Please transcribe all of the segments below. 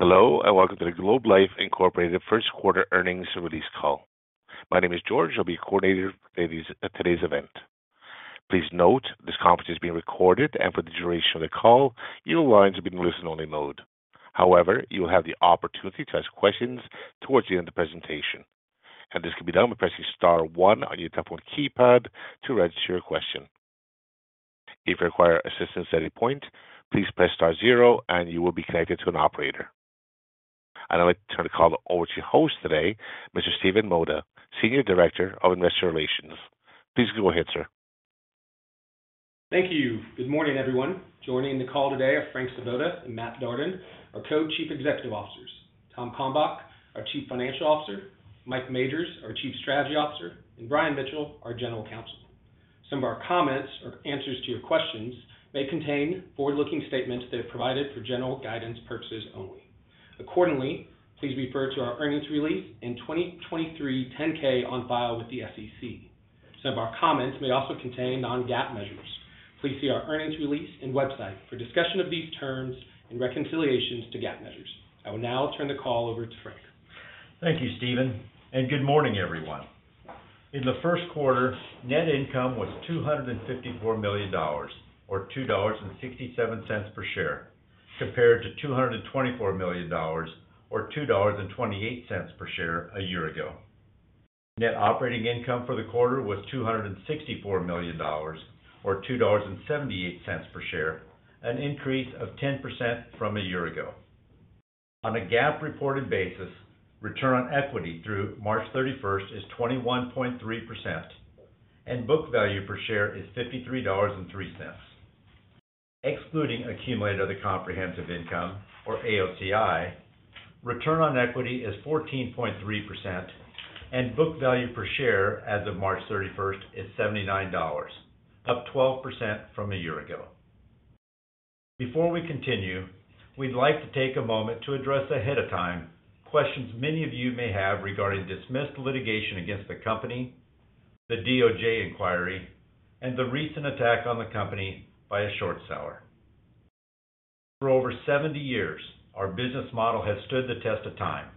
Hello, and welcome to the Globe Life Incorporated first quarter earnings release call. My name is George, I'll be coordinating today's event. Please note, this conference is being recorded, and for the duration of the call, your lines will be in listen-only mode. However, you will have the opportunity to ask questions towards the end of the presentation, and this can be done by pressing star one on your telephone keypad to register your question. If you require assistance at any point, please press star zero and you will be connected to an operator. I'd now like to turn the call over to your host today, Mr. Stephen Mota, Senior Director of Investor Relations. Please go ahead, sir. Thank you. Good morning, everyone. Joining the call today are Frank Svoboda and Matt Darden, our Co-Chief Executive Officers, Tom Kalmbach, our Chief Financial Officer, Mike Majors, our Chief Strategy Officer, and Brian Mitchell, our General Counsel. Some of our comments or answers to your questions may contain forward-looking statements that are provided for general guidance purposes only. Accordingly, please refer to our earnings release in 2023 10-K on file with the SEC. Some of our comments may also contain non-GAAP measures. Please see our earnings release and website for discussion of these terms and reconciliations to GAAP measures. I will now turn the call over to Frank. Thank you, Stephen, and good morning, everyone. In the first quarter, net income was $254 million or $2.67 per share, compared to $224 million or $2.28 per share a year ago. Net operating income for the quarter was $264 million or $2.78 per share, an increase of 10% from a year ago. On a GAAP reported basis, return on equity through March 31st is 21.3%, and book value per share is $53.03. Excluding accumulated other comprehensive income, or AOCI, return on equity is 14.3%, and book value per share as of March 31st is $79, up 12% from a year ago. Before we continue, we'd like to take a moment to address ahead of time, questions many of you may have regarding dismissed litigation against the company, the DOJ inquiry, and the recent attack on the company by a short seller. For over 70 years, our business model has stood the test of time,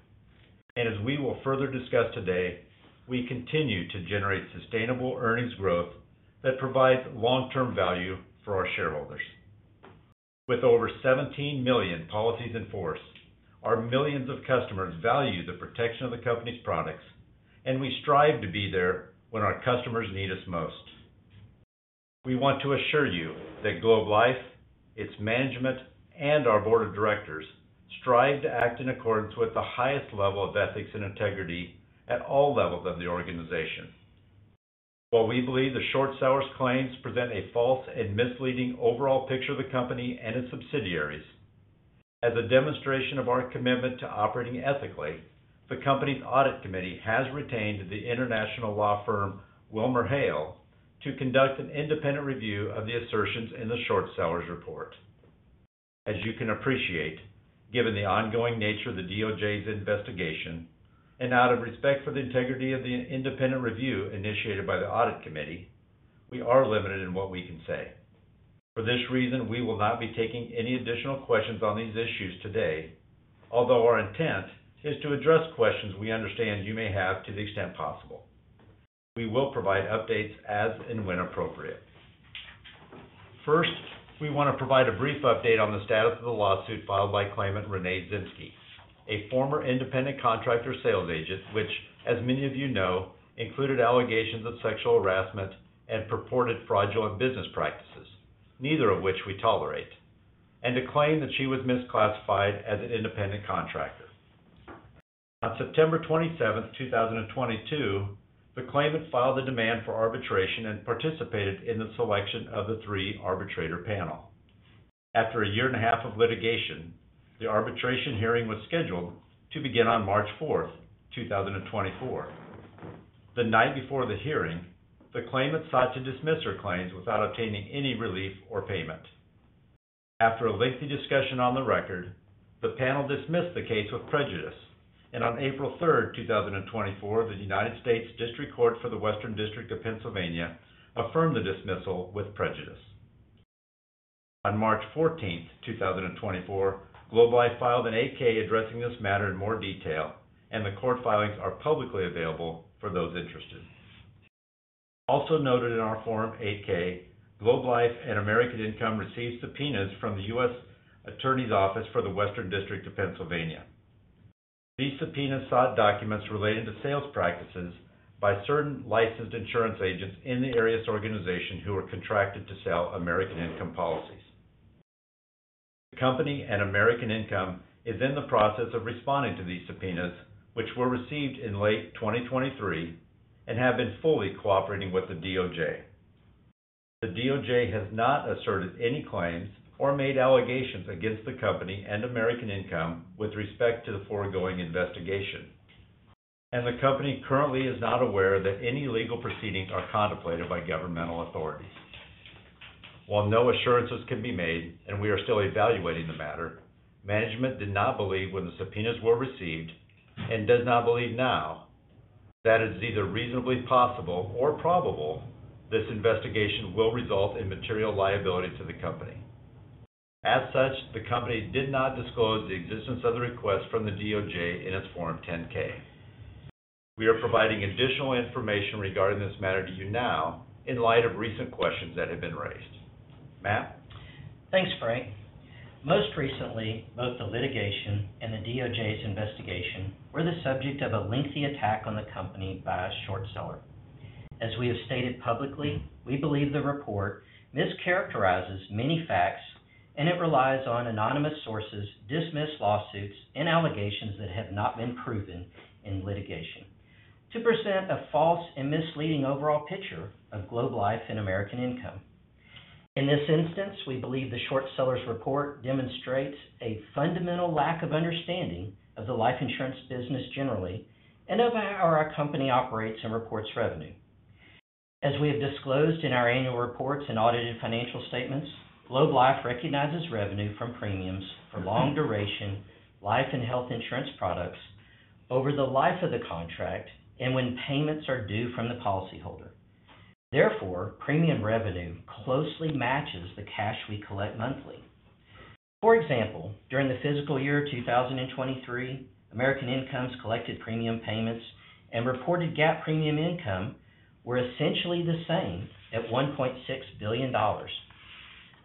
and as we will further discuss today, we continue to generate sustainable earnings growth that provides long-term value for our shareholders. With over 17 million policies in force, our millions of customers value the protection of the company's products, and we strive to be there when our customers need us most. We want to assure you that Globe Life, its management, and our board of directors strive to act in accordance with the highest level of ethics and integrity at all levels of the organization. While we believe the short seller's claims present a false and misleading overall picture of the company and its subsidiaries, as a demonstration of our commitment to operating ethically, the company's audit committee has retained the international law firm, WilmerHale, to conduct an independent review of the assertions in the short seller's report. As you can appreciate, given the ongoing nature of the DOJ's investigation, and out of respect for the integrity of the independent review initiated by the audit committee, we are limited in what we can say. For this reason, we will not be taking any additional questions on these issues today, although our intent is to address questions we understand you may have to the extent possible. We will provide updates as and when appropriate. First, we want to provide a brief update on the status of the lawsuit filed by claimant Renee Zinske, a former independent contractor sales agent, which, as many of you know, included allegations of sexual harassment and purported fraudulent business practices, neither of which we tolerate, and a claim that she was misclassified as an independent contractor. On September 27th, 2022, the claimant filed a demand for arbitration and participated in the selection of the three arbitrator panel. After a year and a half of litigation, the arbitration hearing was scheduled to begin on March 4th, 2024. The night before the hearing, the claimant sought to dismiss her claims without obtaining any relief or payment. After a lengthy discussion on the record, the panel dismissed the case with prejudice, and on April 3rd, 2024, the United States District Court for the Western District of Pennsylvania affirmed the dismissal with prejudice. On March 14, 2024, Globe Life filed an 8-K addressing this matter in more detail, and the court filings are publicly available for those interested. Also noted in our Form 8-K, Globe Life and American Income received subpoenas from the U.S. Attorney's Office for the Western District of Pennsylvania. These subpoenas sought documents related to sales practices by certain licensed insurance agents in the Arias organization who were contracted to sell American Income policies. The company and American Income is in the process of responding to these subpoenas, which were received in late 2023, and have been fully cooperating with the DOJ. The DOJ has not asserted any claims or made allegations against the company and American Income with respect to the foregoing investigation, and the company currently is not aware that any legal proceedings are contemplated by governmental authorities. While no assurances can be made, and we are still evaluating the matter, management did not believe when the subpoenas were received and does not believe now that it's either reasonably possible or probable this investigation will result in material liability to the company. As such, the company did not disclose the existence of the request from the DOJ in its Form 10-K. We are providing additional information regarding this matter to you now in light of recent questions that have been raised. Matt? Thanks, Frank. Most recently, both the litigation and the DOJ's investigation were the subject of a lengthy attack on the company by a short seller. As we have stated publicly, we believe the report mischaracterizes many facts, and it relies on anonymous sources, dismissed lawsuits, and allegations that have not been proven in litigation, to present a false and misleading overall picture of Globe Life and American Income. In this instance, we believe the short seller's report demonstrates a fundamental lack of understanding of the life insurance business generally, and of how our company operates and reports revenue. As we have disclosed in our annual reports and audited financial statements, Globe Life recognizes revenue from premiums for long duration, life and health insurance products over the life of the contract and when payments are due from the policyholder. Therefore, premium revenue closely matches the cash we collect monthly. For example, during the fiscal year 2023, American Income's collected premium payments and reported GAAP premium income were essentially the same at $1.6 billion.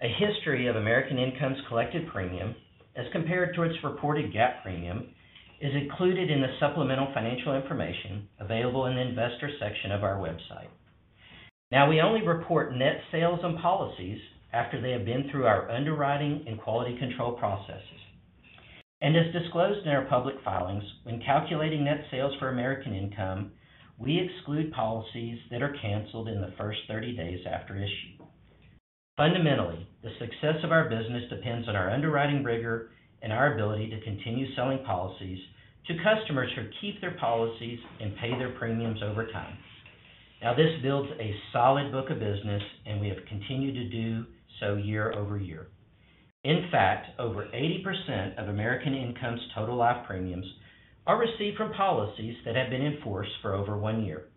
A history of American Income's collected premium, as compared to its reported GAAP premium, is included in the supplemental financial information available in the investor section of our website. Now, we only report net sales and policies after they have been through our underwriting and quality control processes. And as disclosed in our public filings, when calculating net sales for American Income, we exclude policies that are canceled in the first 30 days after issue. Fundamentally, the success of our business depends on our underwriting rigor and our ability to continue selling policies to customers who keep their policies and pay their premiums over time. Now, this builds a solid book of business, and we have continued to do so year-over-year. In fact, over 80% of American Income's total life premiums are received from policies that have been in force for over one year.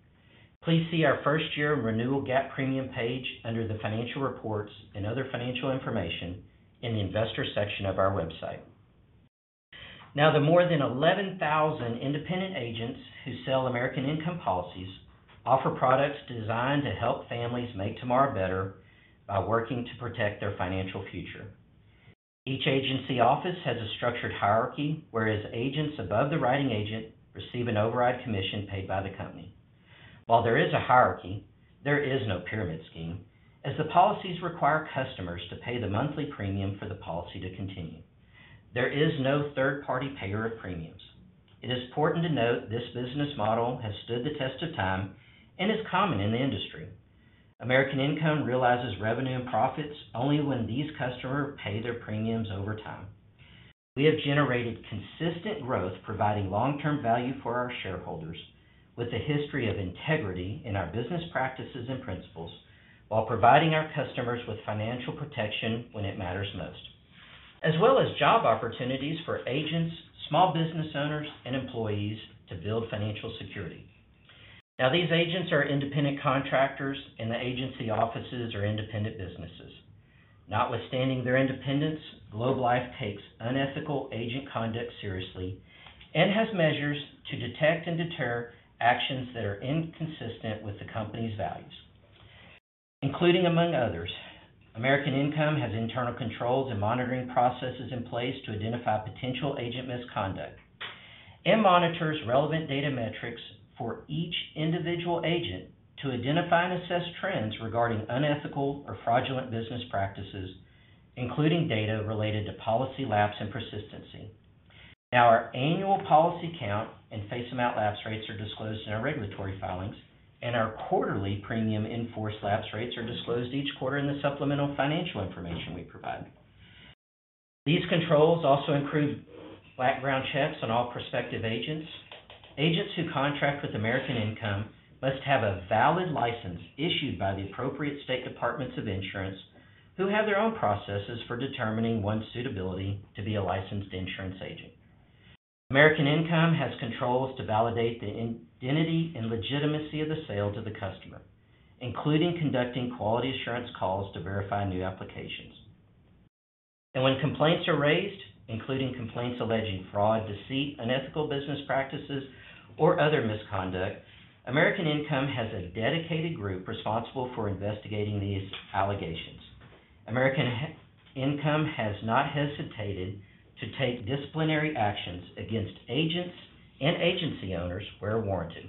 Please see our first year renewal GAAP premium page under the Financial Reports and Other Financial Information in the Investor section of our website. Now, the more than 11,000 independent agents who sell American Income policies offer products designed to help families make tomorrow better by working to protect their financial future. Each agency office has a structured hierarchy, whereas agents above the writing agent receive an override commission paid by the company. While there is a hierarchy, there is no pyramid scheme, as the policies require customers to pay the monthly premium for the policy to continue. There is no third-party payer of premiums. It is important to note this business model has stood the test of time and is common in the industry. American Income realizes revenue and profits only when these customers pay their premiums over time. We have generated consistent growth, providing long-term value for our shareholders, with a history of integrity in our business practices and principles, while providing our customers with financial protection when it matters most, as well as job opportunities for agents, small business owners, and employees to build financial security. Now, these agents are independent contractors, and the agency offices are independent businesses. Notwithstanding their independence, Globe Life takes unethical agent conduct seriously and has measures to detect and deter actions that are inconsistent with the company's values, including, among others, American Income has internal controls and monitoring processes in place to identify potential agent misconduct, and monitors relevant data metrics for each individual agent to identify and assess trends regarding unethical or fraudulent business practices, including data related to policy lapse and persistency. Now, our annual policy count and face amount lapse rates are disclosed in our regulatory filings, and our quarterly premium in force lapse rates are disclosed each quarter in the supplemental financial information we provide. These controls also include background checks on all prospective agents. Agents who contract with American Income must have a valid license issued by the appropriate state departments of insurance, who have their own processes for determining one's suitability to be a licensed insurance agent. American Income has controls to validate the identity and legitimacy of the sale to the customer, including conducting quality assurance calls to verify new applications. When complaints are raised, including complaints alleging fraud, deceit, unethical business practices, or other misconduct, American Income has a dedicated group responsible for investigating these allegations. American Income has not hesitated to take disciplinary actions against agents and agency owners where warranted,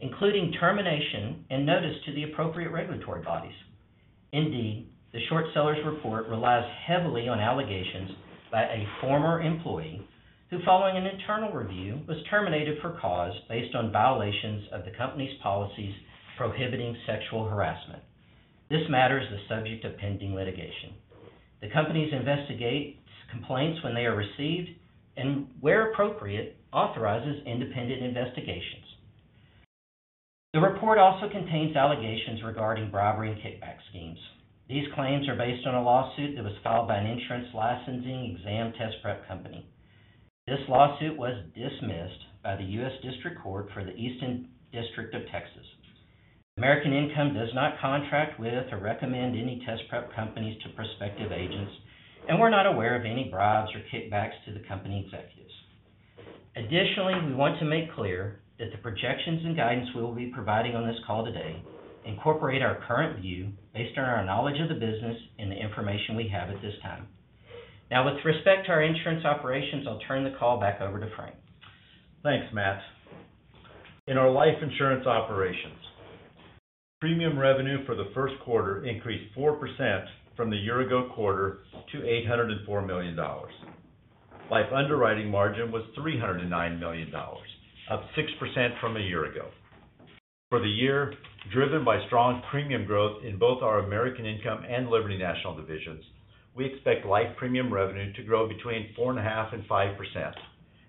including termination and notice to the appropriate regulatory bodies. Indeed, the short seller's report relies heavily on allegations by a former employee, who, following an internal review, was terminated for cause based on violations of the company's policies prohibiting sexual harassment. This matter is the subject of pending litigation. The company investigates complaints when they are received, and where appropriate, authorizes independent investigations. The report also contains allegations regarding bribery and kickback schemes. These claims are based on a lawsuit that was filed by an insurance licensing exam test prep company. This lawsuit was dismissed by the U.S. District Court for the Eastern District of Texas. American Income does not contract with or recommend any test prep companies to prospective agents, and we're not aware of any bribes or kickbacks to the company executives. Additionally, we want to make clear that the projections and guidance we will be providing on this call today incorporate our current view based on our knowledge of the business and the information we have at this time. Now, with respect to our insurance operations, I'll turn the call back over to Frank. Thanks, Matt. In our life insurance operations, premium revenue for the first quarter increased 4% from the year-ago quarter to $804 million. Life underwriting margin was $309 million, up 6% from a year ago. For the year, driven by strong premium growth in both our American Income and Liberty National divisions, we expect life premium revenue to grow between 4.5% and 5%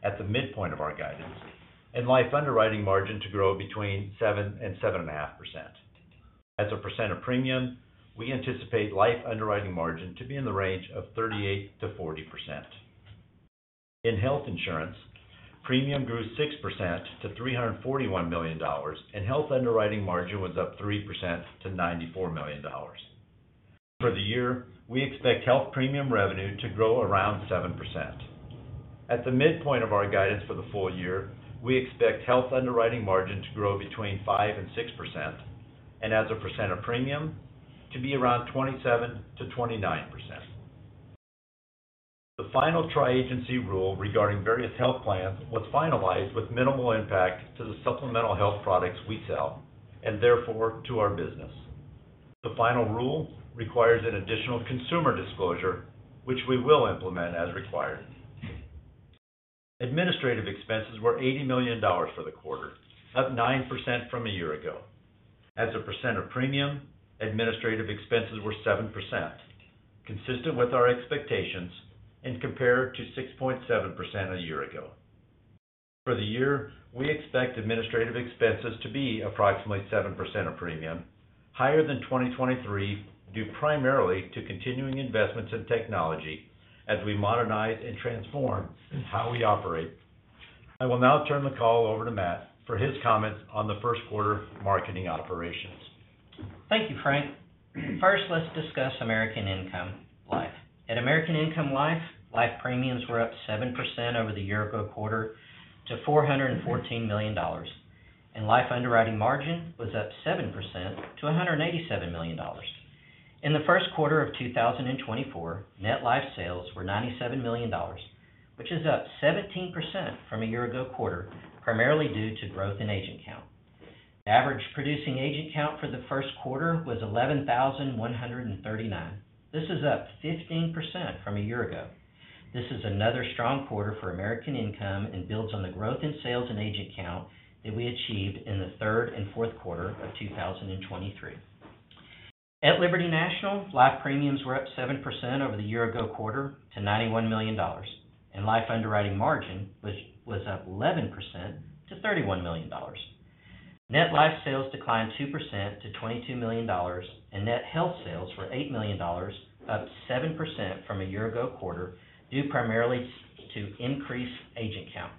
at the midpoint of our guidance, and life underwriting margin to grow between 7% and 7.5%. As a percent of premium, we anticipate life underwriting margin to be in the range of 38%-40%. In health insurance, premium grew 6% to $341 million, and health underwriting margin was up 3% to $94 million. For the year, we expect health premium revenue to grow around 7%. At the midpoint of our guidance for the full year, we expect health underwriting margin to grow between 5%-6%, and as a percent of premium, to be around 27%-29%. The final Tri-Agency Rule regarding various health plans was finalized with minimal impact to the supplemental health products we sell, and therefore, to our business. The final rule requires an additional consumer disclosure, which we will implement as required. Administrative expenses were $80 million for the quarter, up 9% from a year ago. As a percent of premium, administrative expenses were 7%, consistent with our expectations and compared to 6.7% a year ago. For the year, we expect administrative expenses to be approximately 7% of premium, higher than 2023, due primarily to continuing investments in technology as we modernize and transform how we operate. I will now turn the call over to Matt for his comments on the first quarter marketing operations. Thank you, Frank. First, let's discuss American Income Life. At American Income Life, life premiums were up 7% over the year ago quarter to $414 million, and life underwriting margin was up 7% to $187 million. In the first quarter of 2024, net life sales were $97 million, which is up 17% from a year ago quarter, primarily due to growth in agent count. Average producing agent count for the first quarter was 11,139. This is up 15% from a year ago. This is another strong quarter for American Income and builds on the growth in sales and agent count that we achieved in the third and fourth quarter of 2023. At Liberty National, life premiums were up 7% over the year ago quarter to $91 million, and life underwriting margin, which was up 11% to $31 million. Net life sales declined 2% to $22 million, and net health sales were $8 million, up 7% from a year ago quarter, due primarily to increased agent count.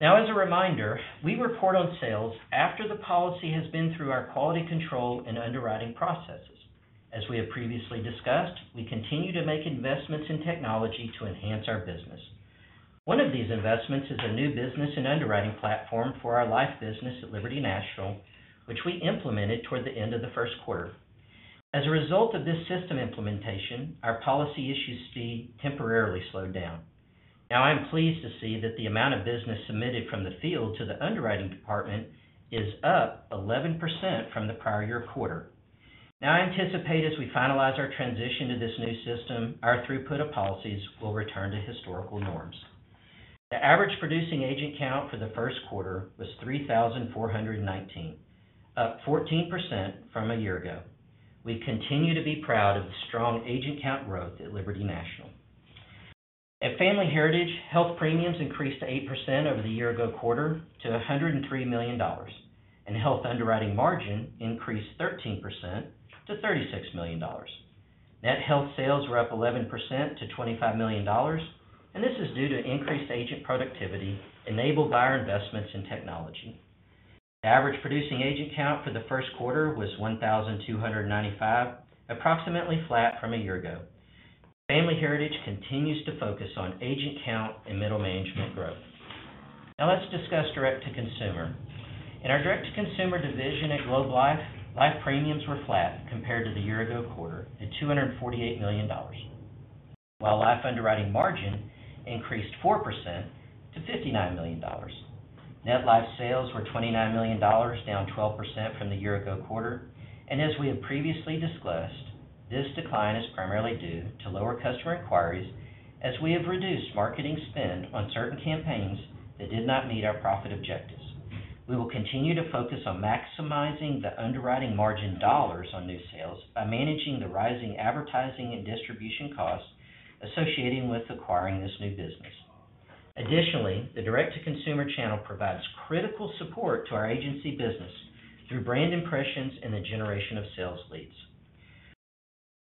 Now, as a reminder, we report on sales after the policy has been through our quality control and underwriting processes. As we have previously discussed, we continue to make investments in technology to enhance our business. One of these investments is a new business and underwriting platform for our life business at Liberty National, which we implemented toward the end of the first quarter. As a result of this system implementation, our policy issues speed temporarily slowed down. Now, I'm pleased to see that the amount of business submitted from the field to the underwriting department is up 11% from the prior year quarter. Now, I anticipate as we finalize our transition to this new system, our throughput of policies will return to historical norms. The average producing agent count for the first quarter was 3,419, up 14% from a year ago. We continue to be proud of the strong agent count growth at Liberty National. At Family Heritage, health premiums increased 8% over the year ago quarter to $103 million, and health underwriting margin increased 13% to $36 million. Net health sales were up 11% to $25 million, and this is due to increased agent productivity enabled by our investments in technology. Average producing agent count for the first quarter was 1,295, approximately flat from a year ago. Family Heritage continues to focus on agent count and middle management growth. Now let's discuss direct to consumer. In our direct to consumer division at Globe Life, life premiums were flat compared to the year-ago quarter to $248 million, while life underwriting margin increased 4% to $59 million. Net life sales were $29 million, down 12% from the year-ago quarter, and as we have previously discussed, this decline is primarily due to lower customer inquiries as we have reduced marketing spend on certain campaigns that did not meet our profit objectives. We will continue to focus on maximizing the underwriting margin dollars on new sales by managing the rising advertising and distribution costs associated with acquiring this new business. Additionally, the direct-to-consumer channel provides critical support to our agency business through brand impressions and the generation of sales leads.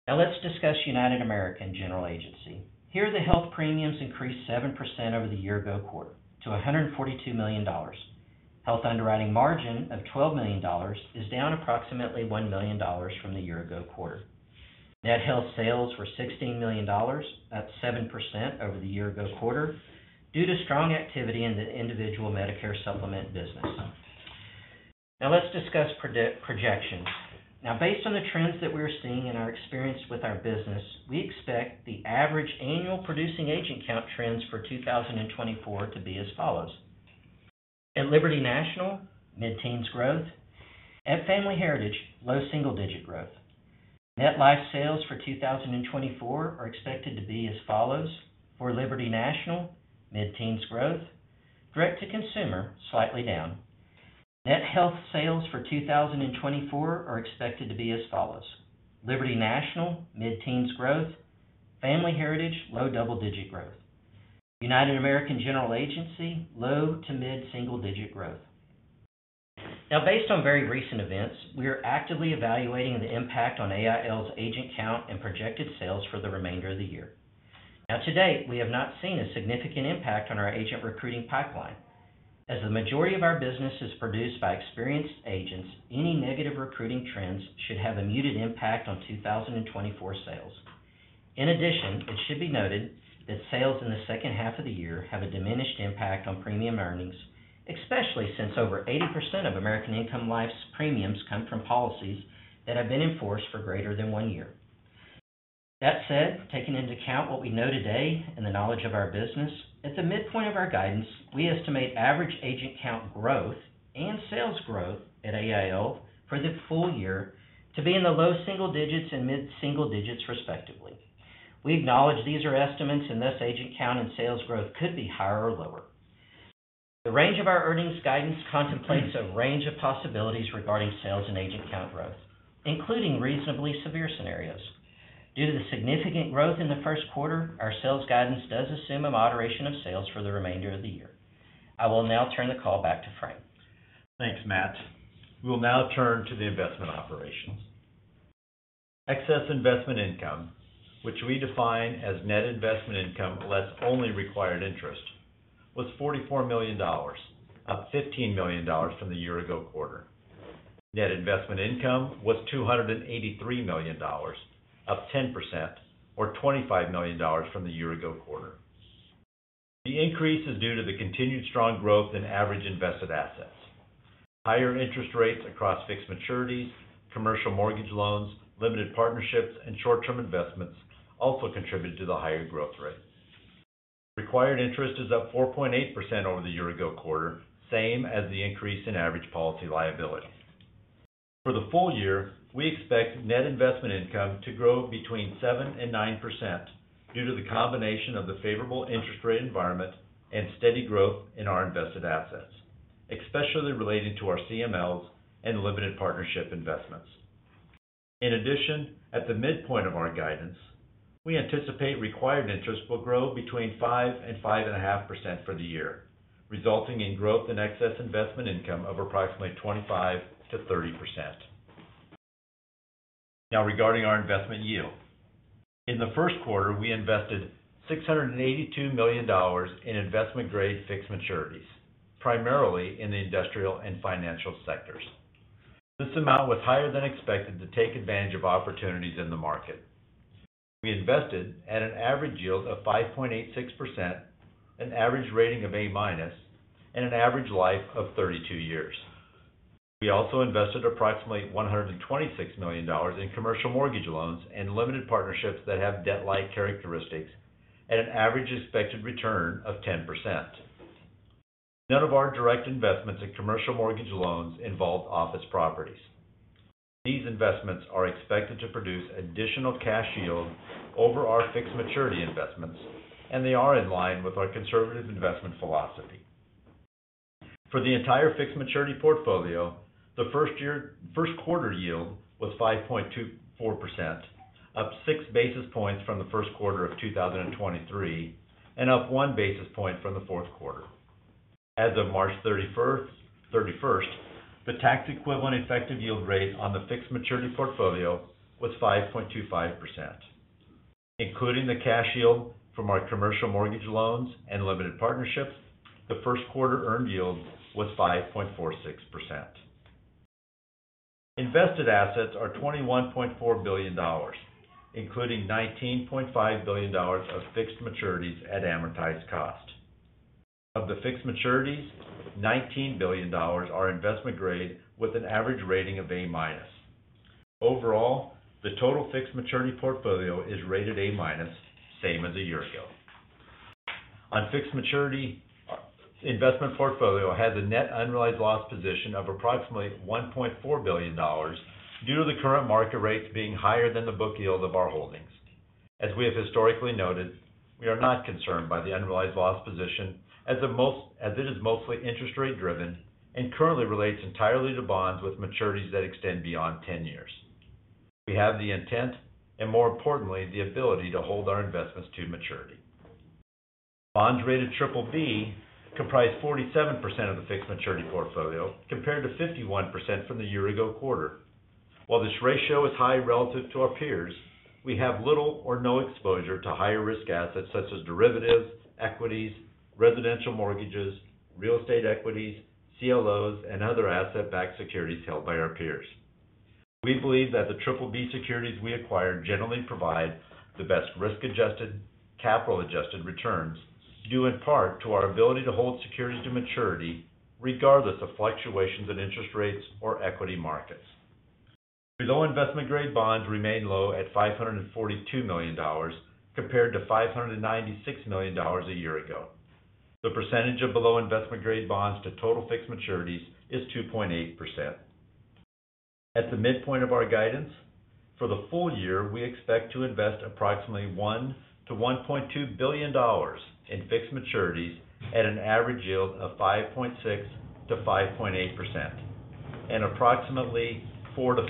Now let's discuss United American General Agency. Here, the health premiums increased 7% over the year ago quarter to $142 million. Health underwriting margin of $12 million is down approximately $1 million from the year ago quarter. Net health sales were $16 million. That's 7% over the year ago quarter, due to strong activity in the individual Medicare Supplement business. Now let's discuss projections. Now, based on the trends that we are seeing and our experience with our business, we expect the average annual producing agent count trends for 2024 to be as follows: At Liberty National, mid-teens growth, at Family Heritage, low single-digit growth. Net life sales for 2024 are expected to be as follows: For Liberty National, mid-teens growth, direct-to-consumer, slightly down. Net health sales for 2024 are expected to be as follows: Liberty National, mid-teens growth, Family Heritage, low double-digit growth, United American General Agency, low to mid single-digit growth. Now, based on very recent events, we are actively evaluating the impact on AIL's agent count and projected sales for the remainder of the year. Now, to date, we have not seen a significant impact on our agent recruiting pipeline. As the majority of our business is produced by experienced agents, any negative recruiting trends should have a muted impact on 2024 sales. In addition, it should be noted that sales in the second half of the year have a diminished impact on premium earnings, especially since over 80% of American Income Life's premiums come from policies that have been in force for greater than one year. That said, taking into account what we know today and the knowledge of our business, at the midpoint of our guidance, we estimate average agent count growth and sales growth at AIL for the full year to be in the low single digits and mid-single digits, respectively. We acknowledge these are estimates, and thus, agent count and sales growth could be higher or lower. The range of our earnings guidance contemplates a range of possibilities regarding sales and agent count growth, including reasonably severe scenarios. Due to the significant growth in the first quarter, our sales guidance does assume a moderation of sales for the remainder of the year. I will now turn the call back to Frank. Thanks, Matt. We'll now turn to the investment operations. Excess investment income, which we define as net investment income, less only required interest, was $44 million, up $15 million from the year ago quarter. Net investment income was $283 million, up 10% or $25 million from the year ago quarter. The increase is due to the continued strong growth in average invested assets. Higher interest rates across fixed maturities, commercial mortgage loans, limited partnerships, and short-term investments also contributed to the higher growth rate. Required interest is up 4.8% over the year ago quarter, same as the increase in average policy liability. For the full year, we expect net investment income to grow between 7% and 9% due to the combination of the favorable interest rate environment and steady growth in our invested assets, especially relating to our CMLs and limited partnership investments. In addition, at the midpoint of our guidance, we anticipate required interest will grow between 5% and 5.5% for the year, resulting in growth and excess investment income of approximately 25%-30%. Now, regarding our investment yield. In the first quarter, we invested $682 million in investment-grade fixed maturities, primarily in the industrial and financial sectors. This amount was higher than expected to take advantage of opportunities in the market. We invested at an average yield of 5.86%, an average rating of A-, and an average life of 32 years. We also invested approximately $126 million in commercial mortgage loans and limited partnerships that have debt-like characteristics at an average expected return of 10%. None of our direct investments in commercial mortgage loans involved office properties. These investments are expected to produce additional cash yield over our fixed maturity investments, and they are in line with our conservative investment philosophy. For the entire fixed maturity portfolio, the first quarter yield was 5.24%, up 6 basis points from the first quarter of 2023, and up 1 basis point from the fourth quarter. As of March 31st, the tax-equivalent effective yield rate on the fixed maturity portfolio was 5.25%. Including the cash yield from our commercial mortgage loans and limited partnerships, the first quarter earned yield was 5.46%. Invested assets are $21.4 billion, including $19.5 billion of fixed maturities at amortized cost. Of the fixed maturities, $19 billion are investment-grade, with an average rating of A-. Overall, the total fixed maturity portfolio is rated A-, same as a year ago. On fixed maturity investment portfolio has a net unrealized loss position of approximately $1.4 billion due to the current market rates being higher than the book yield of our holdings. As we have historically noted, we are not concerned by the unrealized loss position, as it is mostly interest rate driven and currently relates entirely to bonds with maturities that extend beyond 10 years. We have the intent, and more importantly, the ability to hold our investments to maturity. Bonds rated Triple B comprise 47% of the fixed maturity portfolio, compared to 51% from the year ago quarter. While this ratio is high relative to our peers, we have little or no exposure to higher risk assets such as derivatives, equities, residential mortgages, real estate equities, CLOs, and other asset-backed securities held by our peers. We believe that the Triple B securities we acquire generally provide the best risk-adjusted, capital-adjusted returns, due in part to our ability to hold securities to maturity, regardless of fluctuations in interest rates or equity markets. Below investment-grade bonds remain low at $542 million, compared to $596 million a year ago. The percentage of below investment-grade bonds to total fixed maturities is 2.8%. At the midpoint of our guidance, for the full year, we expect to invest approximately $1 billion-$1.2 billion in fixed maturities at an average yield of 5.6%-5.8%, and approximately $400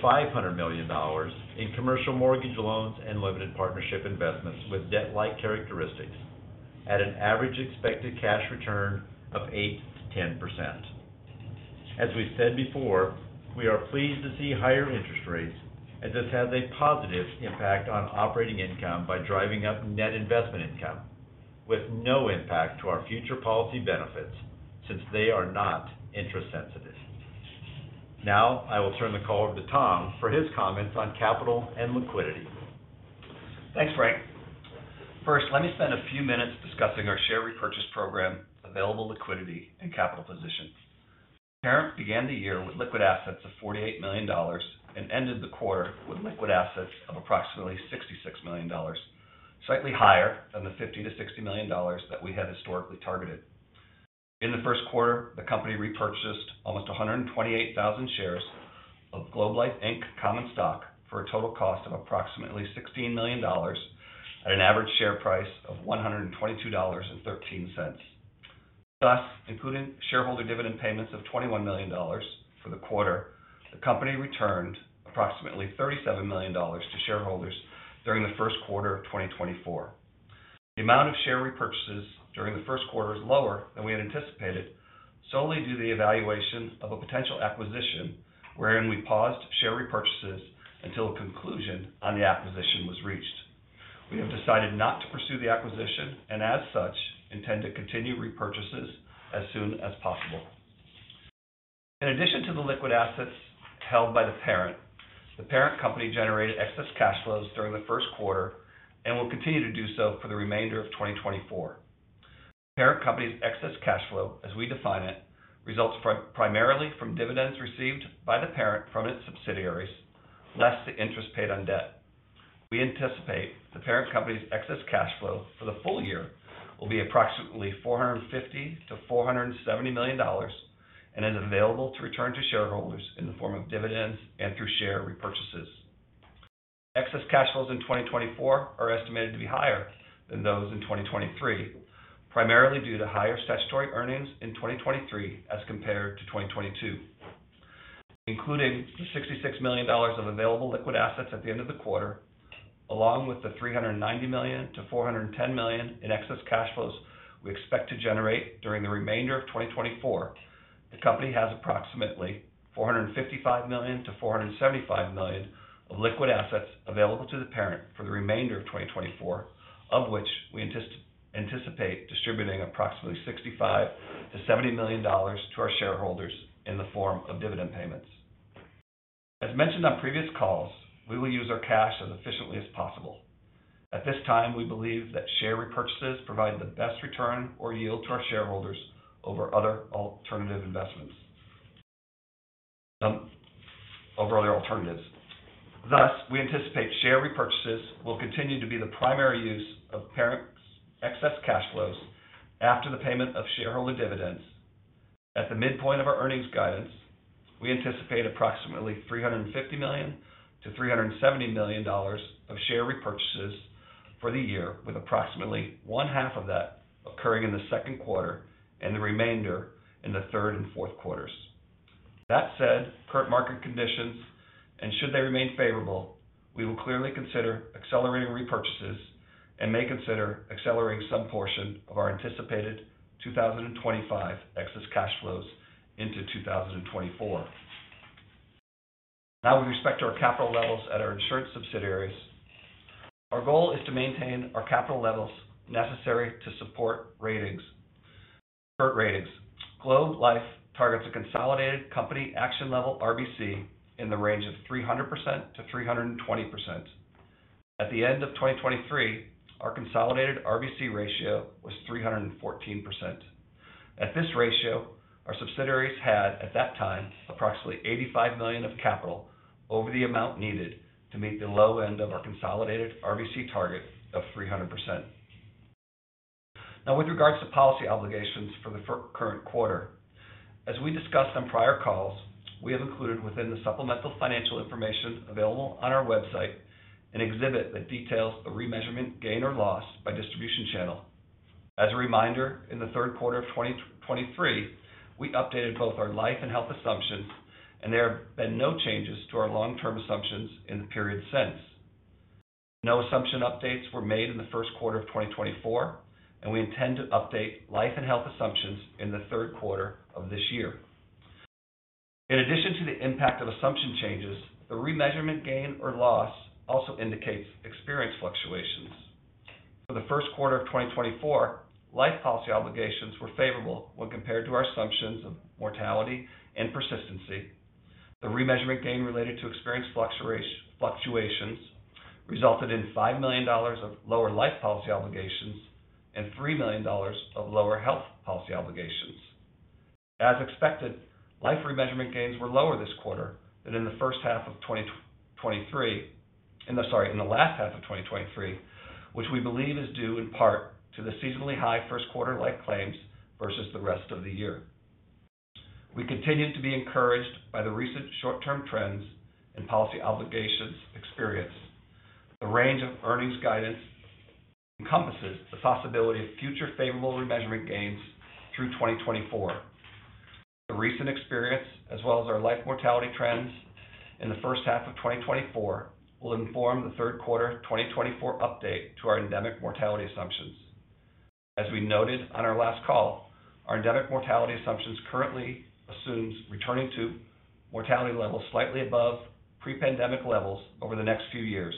million-$500 million in commercial mortgage loans and limited partnership investments with debt-like characteristics at an average expected cash return of 8%-10%. As we've said before, we are pleased to see higher interest rates, as this has a positive impact on operating income by driving up net investment income with no impact to our future policy benefits since they are not interest sensitive. Now, I will turn the call over to Tom for his comments on capital and liquidity. Thanks, Frank. First, let me spend a few minutes discussing our share repurchase program, available liquidity, and capital positions. Parent began the year with liquid assets of $48 million and ended the quarter with liquid assets of approximately $66 million, slightly higher than the $50-$60 million that we had historically targeted. In the first quarter, the company repurchased almost 128,000 shares of Globe Life Inc common stock for a total cost of approximately $16 million, at an average share price of $122.13. Thus, including shareholder dividend payments of $21 million for the quarter, the company returned approximately $37 million to shareholders during the first quarter of 2024. The amount of share repurchases during the first quarter is lower than we had anticipated, solely due to the evaluation of a potential acquisition wherein we paused share repurchases until a conclusion on the acquisition was reached. We have decided not to pursue the acquisition and, as such, intend to continue repurchases as soon as possible. In addition to the liquid assets held by the parent, the parent company generated excess cash flows during the first quarter and will continue to do so for the remainder of 2024. The parent company's excess cash flow, as we define it, results primarily from dividends received by the parent from its subsidiaries, less the interest paid on debt. We anticipate the parent company's excess cash flow for the full year will be approximately $450 million-$470 million, and is available to return to shareholders in the form of dividends and through share repurchases. Excess cash flows in 2024 are estimated to be higher than those in 2023, primarily due to higher statutory earnings in 2023 as compared to 2022. Including the $66 million of available liquid assets at the end of the quarter, along with the $390 million-$410 million in excess cash flows we expect to generate during the remainder of 2024, the company has approximately $455 million-$475 million of liquid assets available to the parent for the remainder of 2024, of which we anticipate distributing approximately $65 million-$70 million to our shareholders in the form of dividend payments. As mentioned on previous calls, we will use our cash as efficiently as possible. At this time, we believe that share repurchases provide the best return or yield to our shareholders over other alternative investments, over other alternatives. Thus, we anticipate share repurchases will continue to be the primary use of parent's excess cash flows after the payment of shareholder dividends. At the midpoint of our earnings guidance, we anticipate approximately $350 million-$370 million of share repurchases for the year, with approximately 1/2 of that occurring in the second quarter and the remainder in the third and fourth quarters. That said, current market conditions, and should they remain favorable, we will clearly consider accelerating repurchases and may consider accelerating some portion of our anticipated 2025 excess cash flows into 2024. Now, with respect to our capital levels at our insurance subsidiaries, our goal is to maintain our capital levels necessary to support ratings. For ratings, Globe Life targets a consolidated Company Action Level RBC in the range of 300%-320%. At the end of 2023, our consolidated RBC ratio was 314%. At this ratio, our subsidiaries had, at that time, approximately $85 million of capital over the amount needed to meet the low end of our consolidated RBC target of 300%. Now, with regards to policy obligations for the current quarter, as we discussed on prior calls, we have included within the supplemental financial information available on our website, an exhibit that details the remeasurement gain or loss by distribution channel.... As a reminder, in the third quarter of 2023, we updated both our life and health assumptions, and there have been no changes to our long-term assumptions in the period since. No assumption updates were made in the first quarter of 2024, and we intend to update life and health assumptions in the third quarter of this year. In addition to the impact of assumption changes, the remeasurement gain or loss also indicates experience fluctuations. For the first quarter of 2024, life policy obligations were favorable when compared to our assumptions of mortality and persistency. The remeasurement gain related to experience fluctuations resulted in $5 million of lower life policy obligations and $3 million of lower health policy obligations. As expected, life remeasurement gains were lower this quarter than in the first half of 2023, and, I'm sorry, in the last half of 2023, which we believe is due in part to the seasonally high first quarter life claims versus the rest of the year. We continue to be encouraged by the recent short-term trends and policy obligations experience. The range of earnings guidance encompasses the possibility of future favorable remeasurement gains through 2024. The recent experience, as well as our life mortality trends in the first half of 2024, will inform the third quarter of 2024 update to our endemic mortality assumptions. As we noted on our last call, our endemic mortality assumptions currently assumes returning to mortality levels slightly above pre-pandemic levels over the next few years.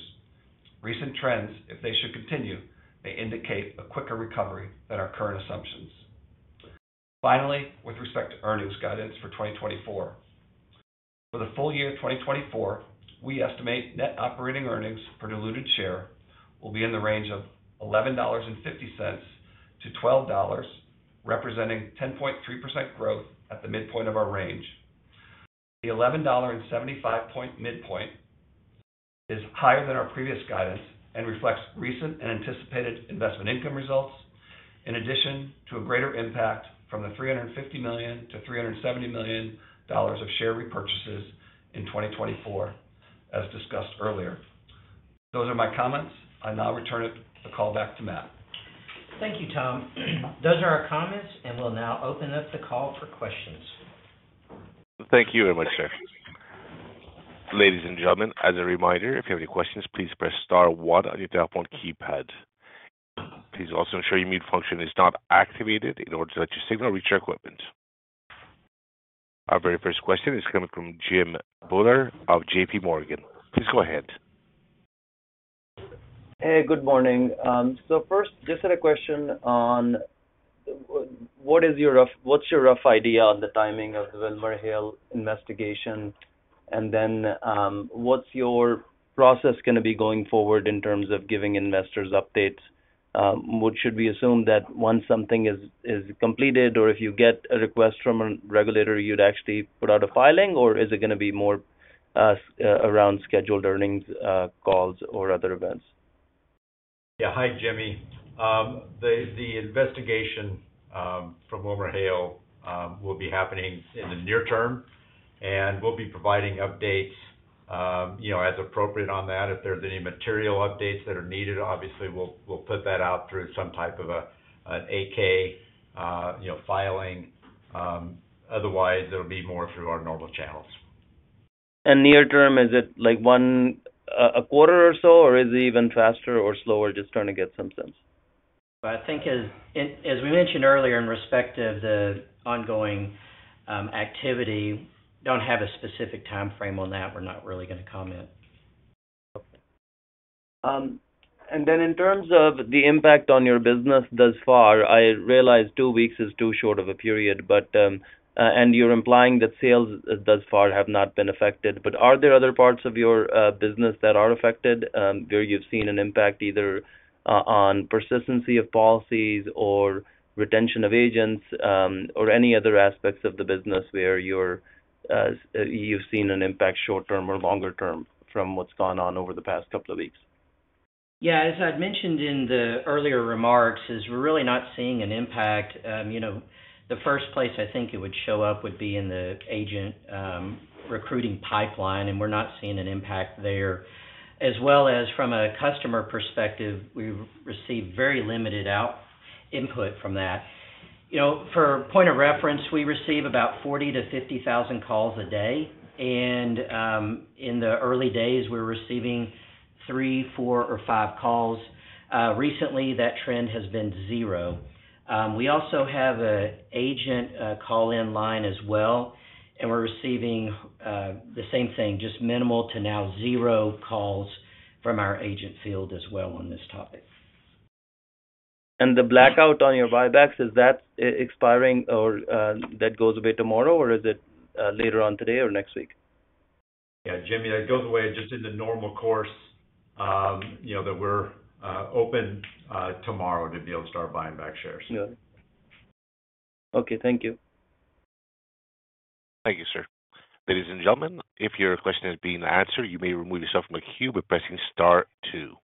Recent trends, if they should continue, may indicate a quicker recovery than our current assumptions. Finally, with respect to earnings guidance for 2024. For the full year of 2024, we estimate net operating earnings per diluted share will be in the range of $11.50-$12, representing 10.3% growth at the midpoint of our range. The $11.75 midpoint is higher than our previous guidance and reflects recent and anticipated investment income results, in addition to a greater impact from the $350 million-$370 million of share repurchases in 2024, as discussed earlier. Those are my comments. I now return it, the call back to Matt. Thank you, Tom. Those are our comments, and we'll now open up the call for questions. Thank you very much, sir. Ladies and gentlemen, as a reminder, if you have any questions, please press star one on your telephone keypad. Please also ensure your mute function is not activated in order to let your signal reach our equipment. Our very first question is coming from Jim Bhullar of JP Morgan. Please go ahead. Hey, good morning. So first, just had a question on what is your rough idea on the timing of the WilmerHale investigation? And then, what's your process gonna be going forward in terms of giving investors updates? What should we assume that once something is completed or if you get a request from a regulator, you'd actually put out a filing, or is it gonna be more around scheduled earnings calls or other events? Yeah. Hi, Jimmy. The investigation from WilmerHale will be happening in the near term, and we'll be providing updates, you know, as appropriate on that. If there's any material updates that are needed, obviously, we'll put that out through some type of an 8-K, you know, filing. Otherwise, it'll be more through our normal channels. Near term, is it like one, a quarter or so, or is it even faster or slower? Just trying to get some sense. I think as, as we mentioned earlier, in respect of the ongoing, activity, don't have a specific time frame on that. We're not really gonna comment. And then in terms of the impact on your business thus far, I realize two weeks is too short of a period, but, and you're implying that sales thus far have not been affected. But are there other parts of your business that are affected, where you've seen an impact either on persistency of policies or retention of agents, or any other aspects of the business where you're, you've seen an impact, short term or longer term, from what's gone on over the past couple of weeks? Yeah, as I'd mentioned in the earlier remarks, is we're really not seeing an impact. You know, the first place I think it would show up would be in the agent recruiting pipeline, and we're not seeing an impact there. As well as from a customer perspective, we've received very limited input from that. You know, for point of reference, we receive about 40,000-50,000 calls a day, and in the early days, we were receiving three, four, or five calls. Recently, that trend has been zero. We also have an agent call-in line as well, and we're receiving the same thing, just minimal to now zero calls from our agent field as well on this topic. The blackout on your buybacks, is that expiring, or that goes away tomorrow, or is it later on today or next week? Yeah, Jimmy, that goes away just in the normal course, you know, that we're open tomorrow to be able to start buying back shares. Got it. Okay, thank you. Thank you, sir. Ladies and gentlemen, if your question has been answered, you may remove yourself from the queue by pressing star two.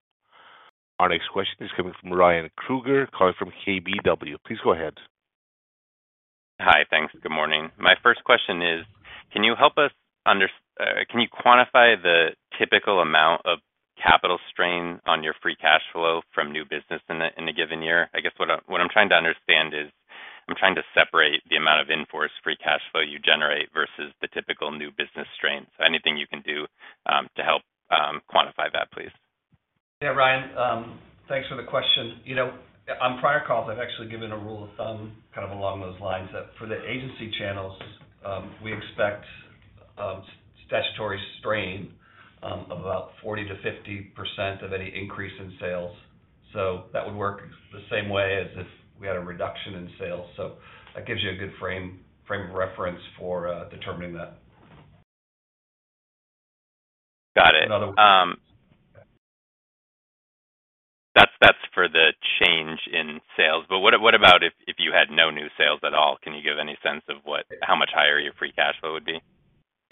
Our next question is coming from Ryan Krueger, calling from KBW. Please go ahead.... Hi. Thanks. Good morning. My first question is, can you help us understand? Can you quantify the typical amount of capital strain on your free cash flow from new business in a given year? I guess what I'm, what I'm trying to understand is I'm trying to separate the amount of in-force free cash flow you generate versus the typical new business strains. Anything you can do to help quantify that, please? Yeah, Ryan, thanks for the question. You know, on prior calls, I've actually given a rule of thumb, kind of along those lines, that for the agency channels, we expect statutory strain of about 40%-50% of any increase in sales. So that would work the same way as if we had a reduction in sales. So that gives you a good frame of reference for determining that. Got it. Another- That's for the change in sales. But what about if you had no new sales at all? Can you give any sense of how much higher your free cash flow would be?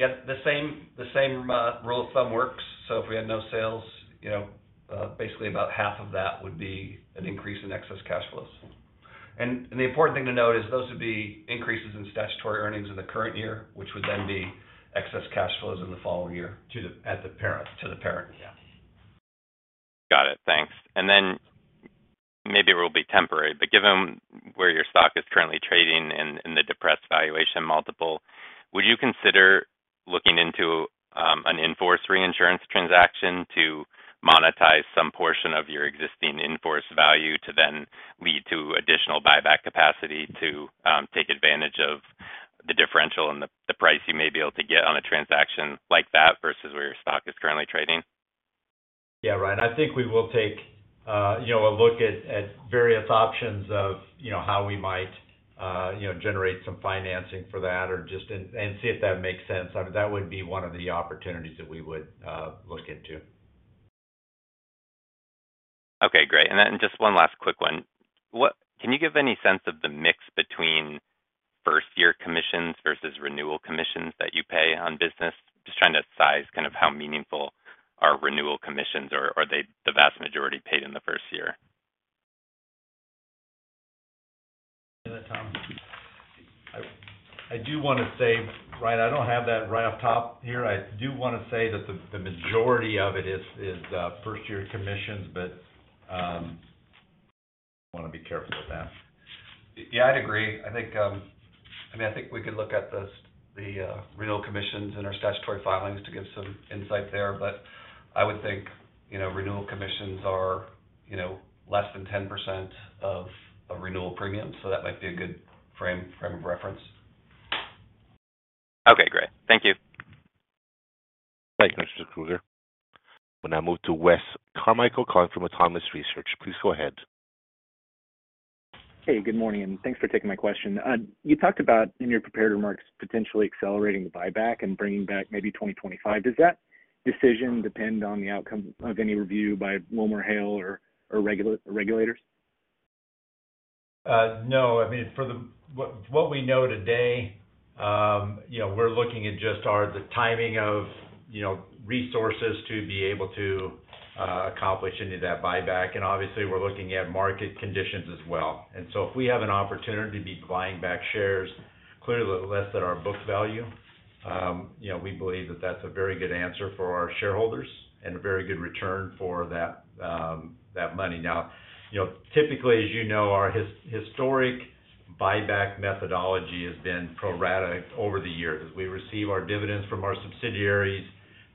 Yeah, the same, the same rule of thumb works. So if we had no sales, you know, basically about half of that would be an increase in excess cash flows. And the important thing to note is those would be increases in statutory earnings in the current year, which would then be excess cash flows in the following year to the, at the parent, to the parent. Yeah. Got it. Thanks. And then, maybe it will be temporary, but given where your stock is currently trading in, in the depressed valuation multiple, would you consider looking into, an in-force reinsurance transaction to monetize some portion of your existing in-force value to then lead to additional buyback capacity to, take advantage of the differential and the, the price you may be able to get on a transaction like that versus where your stock is currently trading? Yeah, Ryan, I think we will take, you know, a look at various options of, you know, how we might, you know, generate some financing for that or just and see if that makes sense. I mean, that would be one of the opportunities that we would look into. Okay, great. And then just one last quick one. What can you give any sense of the mix between first-year commissions versus renewal commissions that you pay on business? Just trying to size kind of how meaningful are renewal commissions, or, are they the vast majority paid in the first year? You know, Tom, I do want to say, Ryan, I don't have that right off the top here. I do want to say that the majority of it is first-year commissions, but I want to be careful with that. Yeah, I'd agree. I think, I mean, I think we could look at the renewal commissions in our statutory filings to give some insight there. But I would think, you know, renewal commissions are, you know, less than 10% of renewal premiums, so that might be a good frame of reference. Okay, great. Thank you. Thank you, Mr. Krueger. We'll now move to Wes Carmichael calling from Autonomous Research. Please go ahead. Hey, good morning, and thanks for taking my question. You talked about, in your prepared remarks, potentially accelerating the buyback and bringing back maybe 2025. Does that decision depend on the outcome of any review by WilmerHale or regulators? No. I mean, for the... What we know today, you know, we're looking at just our, the timing of, you know, resources to be able to accomplish any of that buyback. And obviously, we're looking at market conditions as well. And so if we have an opportunity to be buying back shares, clearly less than our book value, you know, we believe that that's a very good answer for our shareholders and a very good return for that, that money. Now, you know, typically, as you know, our historic buyback methodology has been pro rata over the years. As we receive our dividends from our subsidiaries,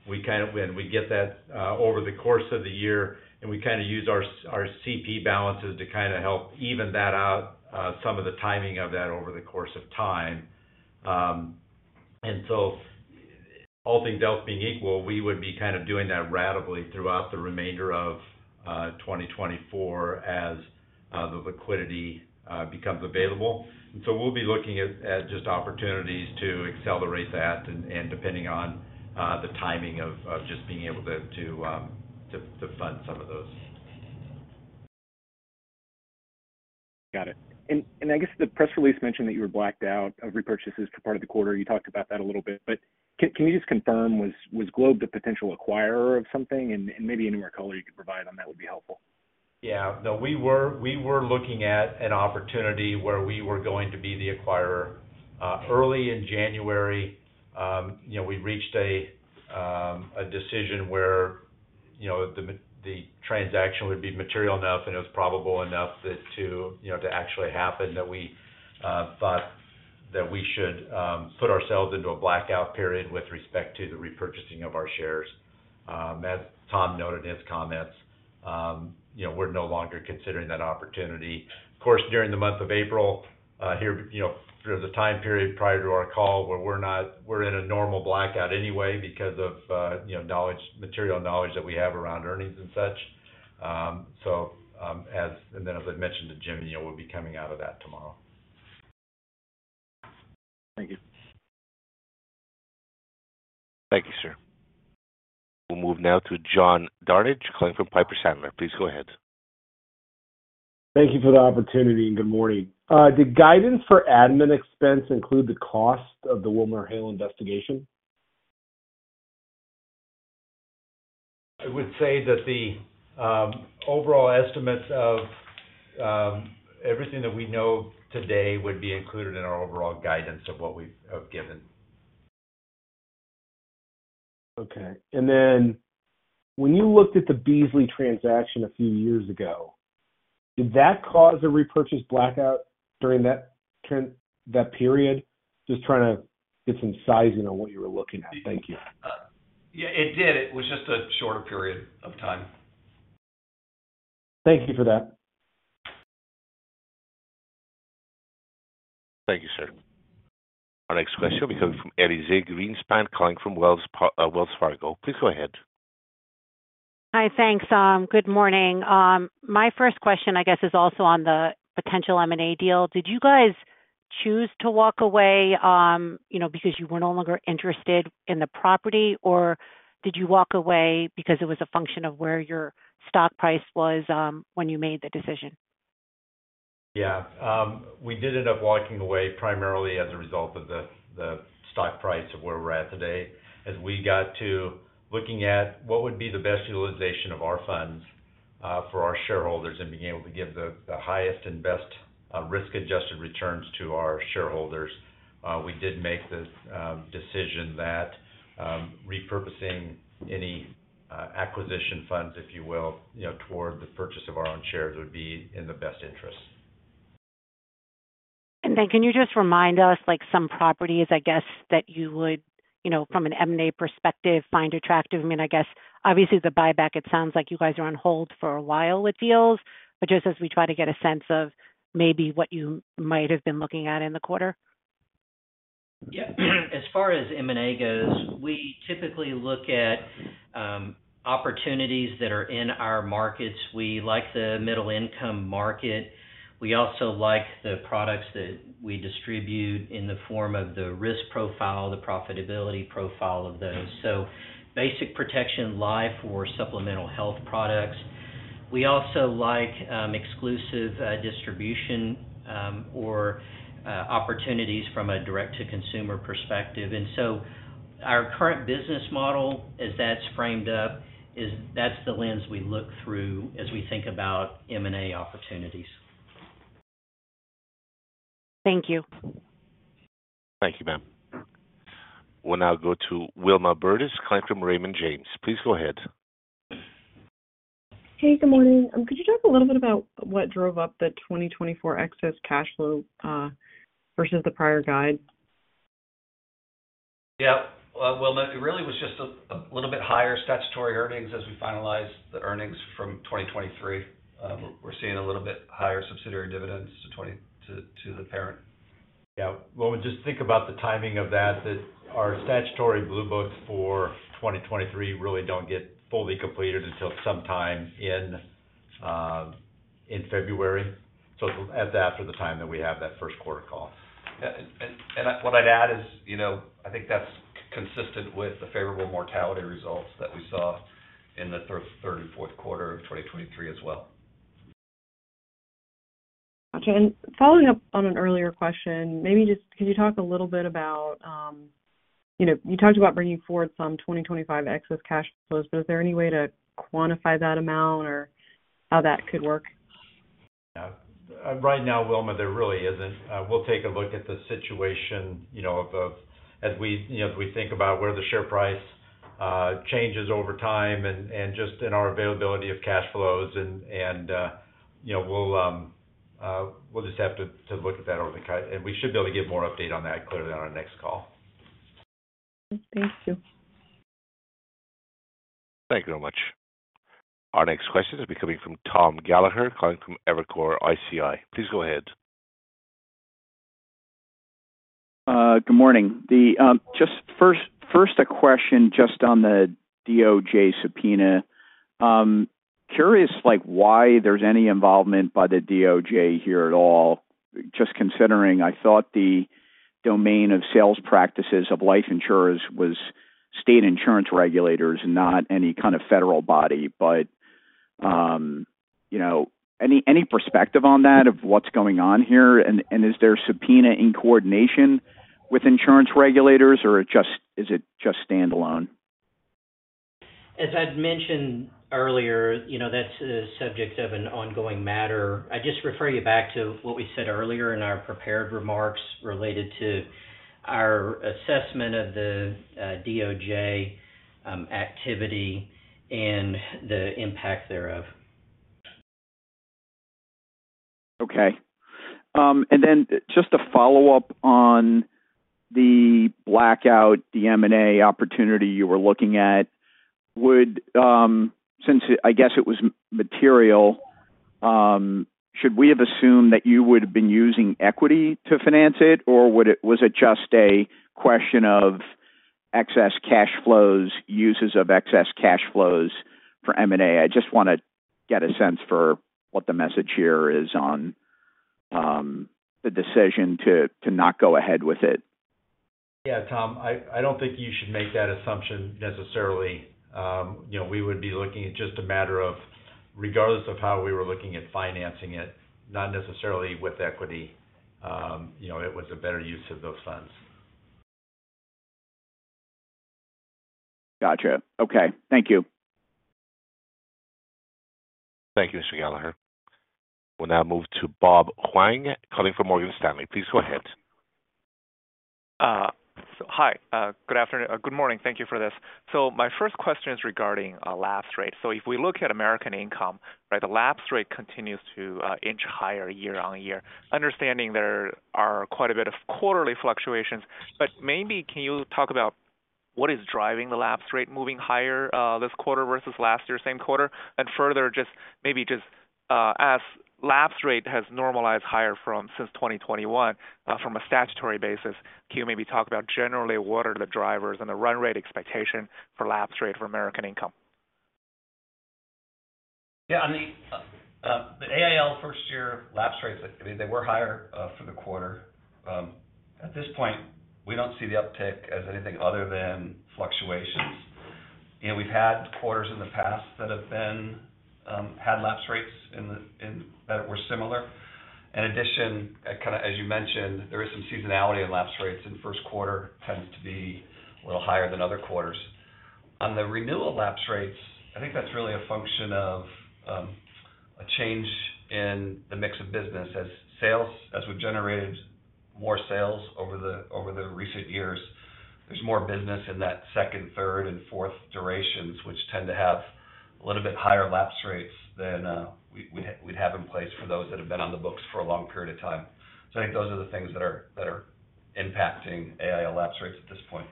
we kind of, when we get that over the course of the year, and we kind of use our CP balances to kind of help even that out, some of the timing of that over the course of time. And so all things else being equal, we would be kind of doing that ratably throughout the remainder of 2024, as the liquidity becomes available. And so we'll be looking at just opportunities to accelerate that and, depending on the timing of just being able to fund some of those. Got it. And I guess the press release mentioned that you were blacked out of repurchases for part of the quarter. You talked about that a little bit, but can you just confirm, was Globe the potential acquirer of something? And maybe any more color you could provide on that would be helpful. Yeah. No, we were, we were looking at an opportunity where we were going to be the acquirer. Early in January, you know, we reached a decision where, you know, the transaction would be material enough, and it was probable enough that to, you know, to actually happen, that we thought that we should put ourselves into a blackout period with respect to the repurchasing of our shares. As Tom noted in his comments, you know, we're no longer considering that opportunity. Of course, during the month of April, here, you know, during the time period prior to our call, where we're not - we're in a normal blackout anyway because of, you know, knowledge, material knowledge that we have around earnings and such. As I mentioned to Jimmy, you know, we'll be coming out of that tomorrow. Thank you. Thank you, sir. We'll move now to John Barnidge, calling from Piper Sandler. Please go ahead. Thank you for the opportunity, and good morning. Did guidance for admin expense include the cost of the WilmerHale investigation?... I would say that the overall estimates of everything that we know today would be included in our overall guidance of what we have given. Okay. And then when you looked at the Beasley transaction a few years ago, did that cause a repurchase blackout during that trend, that period? Just trying to get some sizing on what you were looking at. Thank you. Yeah, it did. It was just a shorter period of time. Thank you for that. Thank you, sir. Our next question will be coming from Elyse Greenspan, calling from Wells Fargo. Please go ahead. Hi. Thanks. Good morning. My first question, I guess, is also on the potential M&A deal. Did you guys choose to walk away, you know, because you were no longer interested in the property? Or did you walk away because it was a function of where your stock price was, when you made the decision? Yeah, we did end up walking away primarily as a result of the stock price of where we're at today. As we got to looking at what would be the best utilization of our funds for our shareholders and being able to give the highest and best risk-adjusted returns to our shareholders, we did make the decision that repurposing any acquisition funds, if you will, you know, toward the purchase of our own shares would be in the best interest. And then can you just remind us, like, some properties, I guess, that you would, you know, from an M&A perspective, find attractive? I mean, I guess obviously the buyback, it sounds like you guys are on hold for a while with deals, but just as we try to get a sense of maybe what you might have been looking at in the quarter. Yeah. As far as M&A goes, we typically look at opportunities that are in our markets. We like the middle-income market. We also like the products that we distribute in the form of the risk profile, the profitability profile of those. So basic protection life or supplemental health products. We also like exclusive distribution or opportunities from a direct-to-consumer perspective. And so our current business model, as that's framed up, is that's the lens we look through as we think about M&A opportunities. Thank you. Thank you, ma'am. We'll now go to Wilma Burdis, calling from Raymond James. Please go ahead. Hey, good morning. Could you talk a little bit about what drove up the 2024 Excess Cash Flow versus the prior guide? Yeah. Wilma, it really was just a little bit higher statutory earnings as we finalized the earnings from 2023. We're seeing a little bit higher subsidiary dividends to the parent. Yeah, well, just think about the timing of that, that our statutory blue books for 2023 really don't get fully completed until sometime in February. So it'll add that for the time that we have that first quarter call. And what I'd add is, you know, I think that's consistent with the favorable mortality results that we saw in the third and fourth quarter of 2023 as well. Okay. And following up on an earlier question, maybe just can you talk a little bit about... You know, you talked about bringing forward some 2025 excess cash flows, but is there any way to quantify that amount or how that could work? Yeah. Right now, Wilma, there really isn't. We'll take a look at the situation, you know, as we, you know, as we think about where the share price changes over time and just in our availability of cash flows and, you know, we'll just have to look at that over the co-. And we should be able to give more update on that clearly on our next call. Thank you. Thank you very much. Our next question is coming from Tom Gallagher, calling from Evercore ISI. Please go ahead. Good morning. Just first, a question just on the DOJ subpoena. Curious, like, why there's any involvement by the DOJ here at all? Just considering, I thought the domain of sales practices of life insurers was state insurance regulators, not any kind of federal body. But, you know, any perspective on that, of what's going on here? And, is the subpoena in coordination with insurance regulators, or is it just standalone? As I'd mentioned earlier, you know, that's a subject of an ongoing matter. I just refer you back to what we said earlier in our prepared remarks related to our assessment of the DOJ activity and the impact thereof. Okay, and then just a follow-up on the blackout, the M&A opportunity you were looking at. Would... Since I guess it was material, should we have assumed that you would have been using equity to finance it, or was it just a question of excess cash flows, uses of excess cash flows for M&A? I just wanna get a sense for what the message here is on the decision to not go ahead with it. Yeah, Tom, I don't think you should make that assumption necessarily. You know, we would be looking at just a matter of, regardless of how we were looking at financing it, not necessarily with equity, you know, it was a better use of those funds.... Gotcha. Okay. Thank you. Thank you, Mr. Gallagher. We'll now move to Bob Huang, calling from Morgan Stanley. Please go ahead. So hi, good afternoon. Good morning. Thank you for this. So my first question is regarding lapse rate. So if we look at American Income, right? The lapse rate continues to inch higher year-on-year. Understanding there are quite a bit of quarterly fluctuations, but maybe can you talk about what is driving the lapse rate moving higher this quarter versus last year, same quarter? And further, just maybe just as lapse rate has normalized higher from since 2021, from a statutory basis, can you maybe talk about generally what are the drivers and the run rate expectation for lapse rate for American Income? Yeah, on the, the AIL first-year lapse rates, I mean, they were higher for the quarter. At this point, we don't see the uptick as anything other than fluctuations. You know, we've had quarters in the past that have been, had lapse rates in the -- in, that were similar. In addition, kind of as you mentioned, there is some seasonality in lapse rates, and first quarter tends to be a little higher than other quarters. On the renewal lapse rates, I think that's really a function of, a change in the mix of business as sales. As we've generated more sales over the recent years, there's more business in that second, third, and fourth durations, which tend to have a little bit higher lapse rates than we'd have in place for those that have been on the books for a long period of time. So I think those are the things that are impacting AIL lapse rates at this point.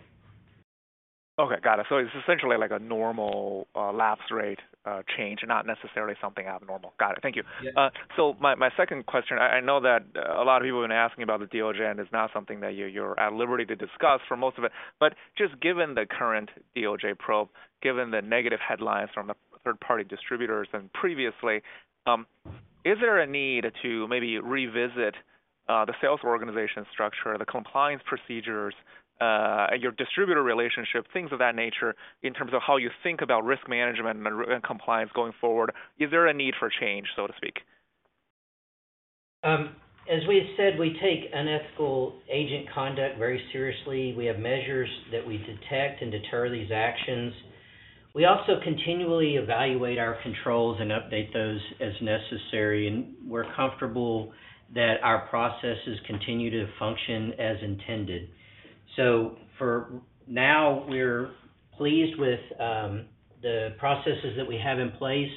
Okay, got it. So it's essentially like a normal lapse rate change, not necessarily something abnormal. Got it. Thank you. Yeah. So my second question, I know that a lot of people have been asking about the DOJ, and it's not something that you're at liberty to discuss for most of it. But just given the current DOJ probe, given the negative headlines from the third-party distributors and previously, is there a need to maybe revisit the sales organization structure, the compliance procedures, your distributor relationship, things of that nature, in terms of how you think about risk management and compliance going forward? Is there a need for change, so to speak? As we've said, we take unethical agent conduct very seriously. We have measures that we detect and deter these actions. We also continually evaluate our controls and update those as necessary, and we're comfortable that our processes continue to function as intended. So for now, we're pleased with the processes that we have in place,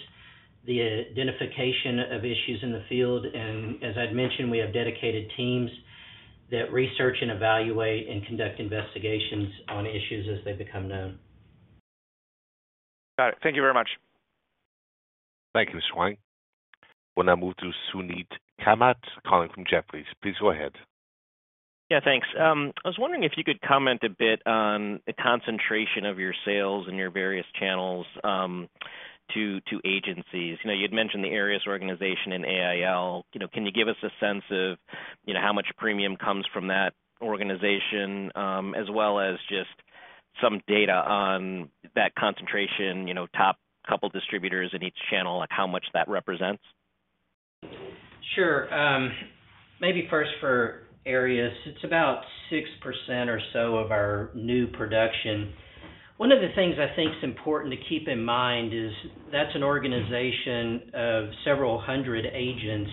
the identification of issues in the field, and as I'd mentioned, we have dedicated teams that research and evaluate and conduct investigations on issues as they become known. Got it. Thank you very much. Thank you, Mr. Huang. We'll now move to Suneet Kamath, calling from Jefferies. Please go ahead. Yeah, thanks. I was wondering if you could comment a bit on the concentration of your sales in your various channels, to agencies. You know, you'd mentioned the Arias organization in AIL. You know, can you give us a sense of, you know, how much premium comes from that organization, as well as just some data on that concentration, you know, top couple distributors in each channel, like how much that represents? Sure. Maybe first for Arias, it's about 6% or so of our new production. One of the things I think is important to keep in mind is that's an organization of several hundred agents,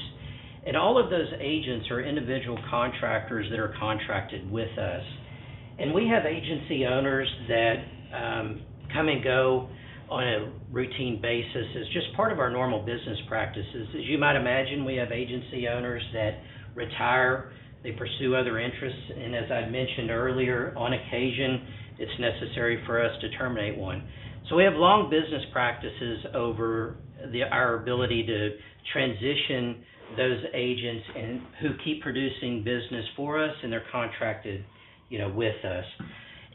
and all of those agents are individual contractors that are contracted with us. And we have agency owners that come and go on a routine basis. It's just part of our normal business practices. As you might imagine, we have agency owners that retire, they pursue other interests, and as I've mentioned earlier, on occasion, it's necessary for us to terminate one. So we have long business practices over our ability to transition those agents who keep producing business for us, and they're contracted, you know, with us.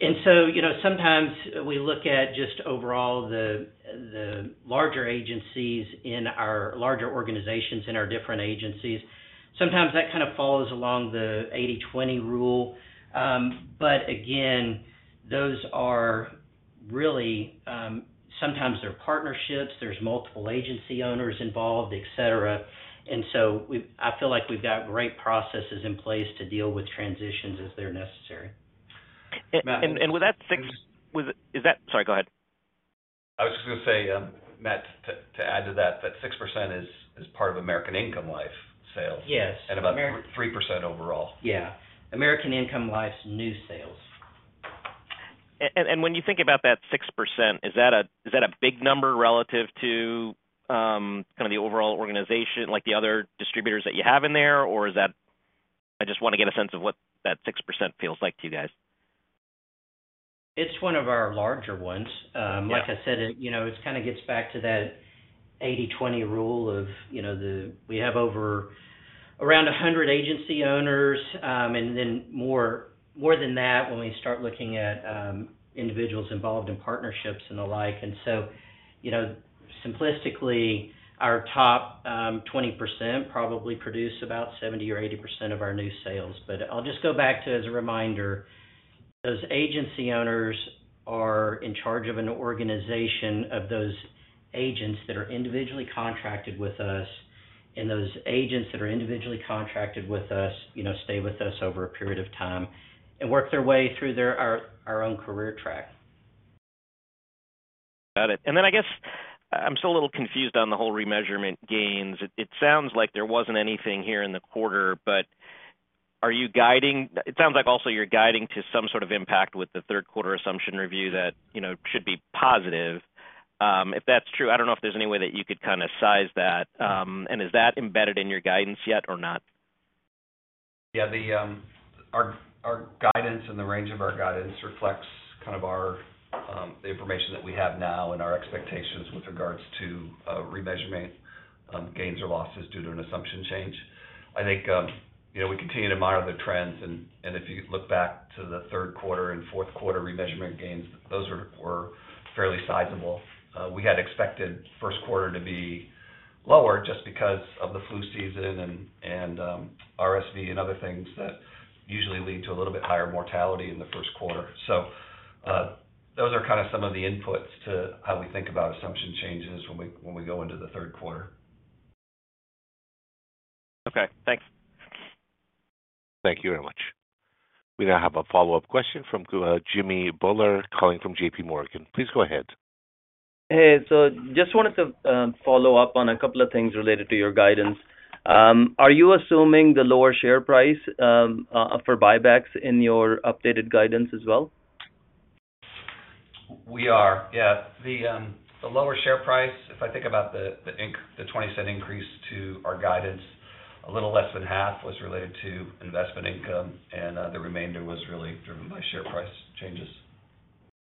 And so, you know, sometimes we look at just overall the, the larger agencies in our larger organizations, in our different agencies. Sometimes that kind of follows along the 80/20 rule. But again, those are really, sometimes they're partnerships, there's multiple agency owners involved, et cetera. And so we've, I feel like we've got great processes in place to deal with transitions as they're necessary. With that six, with... Is that? Sorry, go ahead. I was just gonna say, Matt, to add to that, that 6% is part of American Income Life sales. Yes. About 3% overall. Yeah. American Income Life's new sales. When you think about that 6%, is that a big number relative to kind of the overall organization, like the other distributors that you have in there, or is that... I just want to get a sense of what that 6% feels like to you guys. It's one of our larger ones. Yeah. Like I said, it, you know, it kind of gets back to that 80/20 rule of, you know, the, we have over around 100 agency owners, and then more than that, when we start looking at individuals involved in partnerships and the like. And so, you know, simplistically, our top 20% probably produce about 70% or 80% of our new sales. But I'll just go back to, as a reminder, those agency owners are in charge of an organization of those agents that are individually contracted with us.... and those agents that are individually contracted with us, you know, stay with us over a period of time and work their way through our own career track. Got it. And then, I guess, I'm still a little confused on the whole remeasurement gains. It sounds like there wasn't anything here in the quarter, but are you guiding? It sounds like also you're guiding to some sort of impact with the third quarter assumption review that, you know, should be positive. If that's true, I don't know if there's any way that you could kind of size that, and is that embedded in your guidance yet or not? Yeah, our guidance and the range of our guidance reflects kind of the information that we have now and our expectations with regards to remeasurement gains or losses due to an assumption change. I think, you know, we continue to monitor the trends, and if you look back to the third quarter and fourth quarter remeasurement gains, those were fairly sizable. We had expected first quarter to be lower just because of the flu season and RSV and other things that usually lead to a little bit higher mortality in the first quarter. So, those are kind of some of the inputs to how we think about assumption changes when we go into the third quarter. Okay, thanks. Thank you very much. We now have a follow-up question from Jimmy Bhullar, calling from JP Morgan. Please go ahead. Hey, so just wanted to follow up on a couple of things related to your guidance. Are you assuming the lower share price for buybacks in your updated guidance as well? We are. Yeah. The lower share price, if I think about the $0.20 increase to our guidance, a little less than half was related to investment income, and the remainder was really driven by share price changes.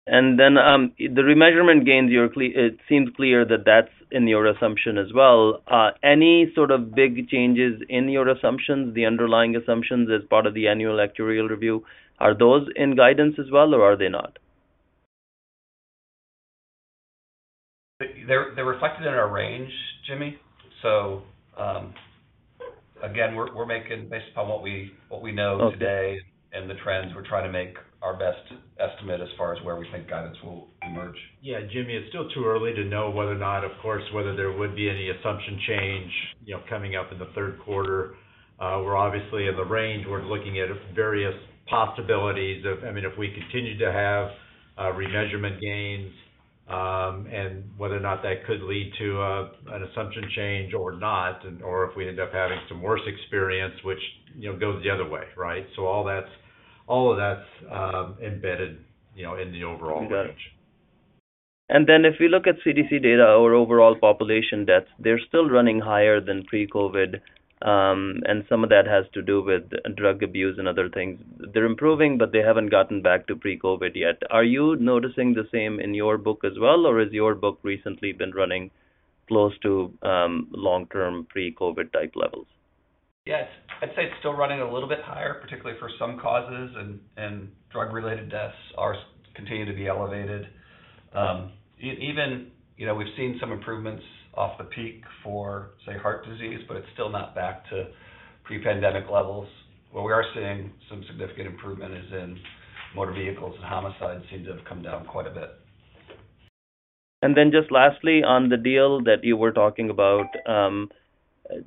And then, the remeasurement gains, you're clear - it seems clear that that's in your assumption as well. Any sort of big changes in your assumptions, the underlying assumptions, as part of the annual actuarial review, are those in guidance as well, or are they not? They're reflected in our range, Jimmy. So, again, we're making based upon what we know today- Okay. and the trends. We're trying to make our best estimate as far as where we think guidance will emerge. Yeah, Jimmy, it's still too early to know whether or not, of course, whether there would be any assumption change, you know, coming up in the third quarter. We're obviously in the range. We're looking at various possibilities of, I mean, if we continue to have remeasurement gains, and whether or not that could lead to an assumption change or not, and or if we end up having some worse experience, which, you know, goes the other way, right? So all that's, all of that's embedded, you know, in the overall range. Then if we look at CDC data or overall population deaths, they're still running higher than pre-COVID, and some of that has to do with drug abuse and other things. They're improving, but they haven't gotten back to pre-COVID yet. Are you noticing the same in your book as well, or has your book recently been running close to, long-term pre-COVID type levels? Yes. I'd say it's still running a little bit higher, particularly for some causes, and drug-related deaths continue to be elevated. Even, you know, we've seen some improvements off the peak for, say, heart disease, but it's still not back to pre-pandemic levels. Where we are seeing some significant improvement is in motor vehicles, and homicides seem to have come down quite a bit. And then just lastly, on the deal that you were talking about,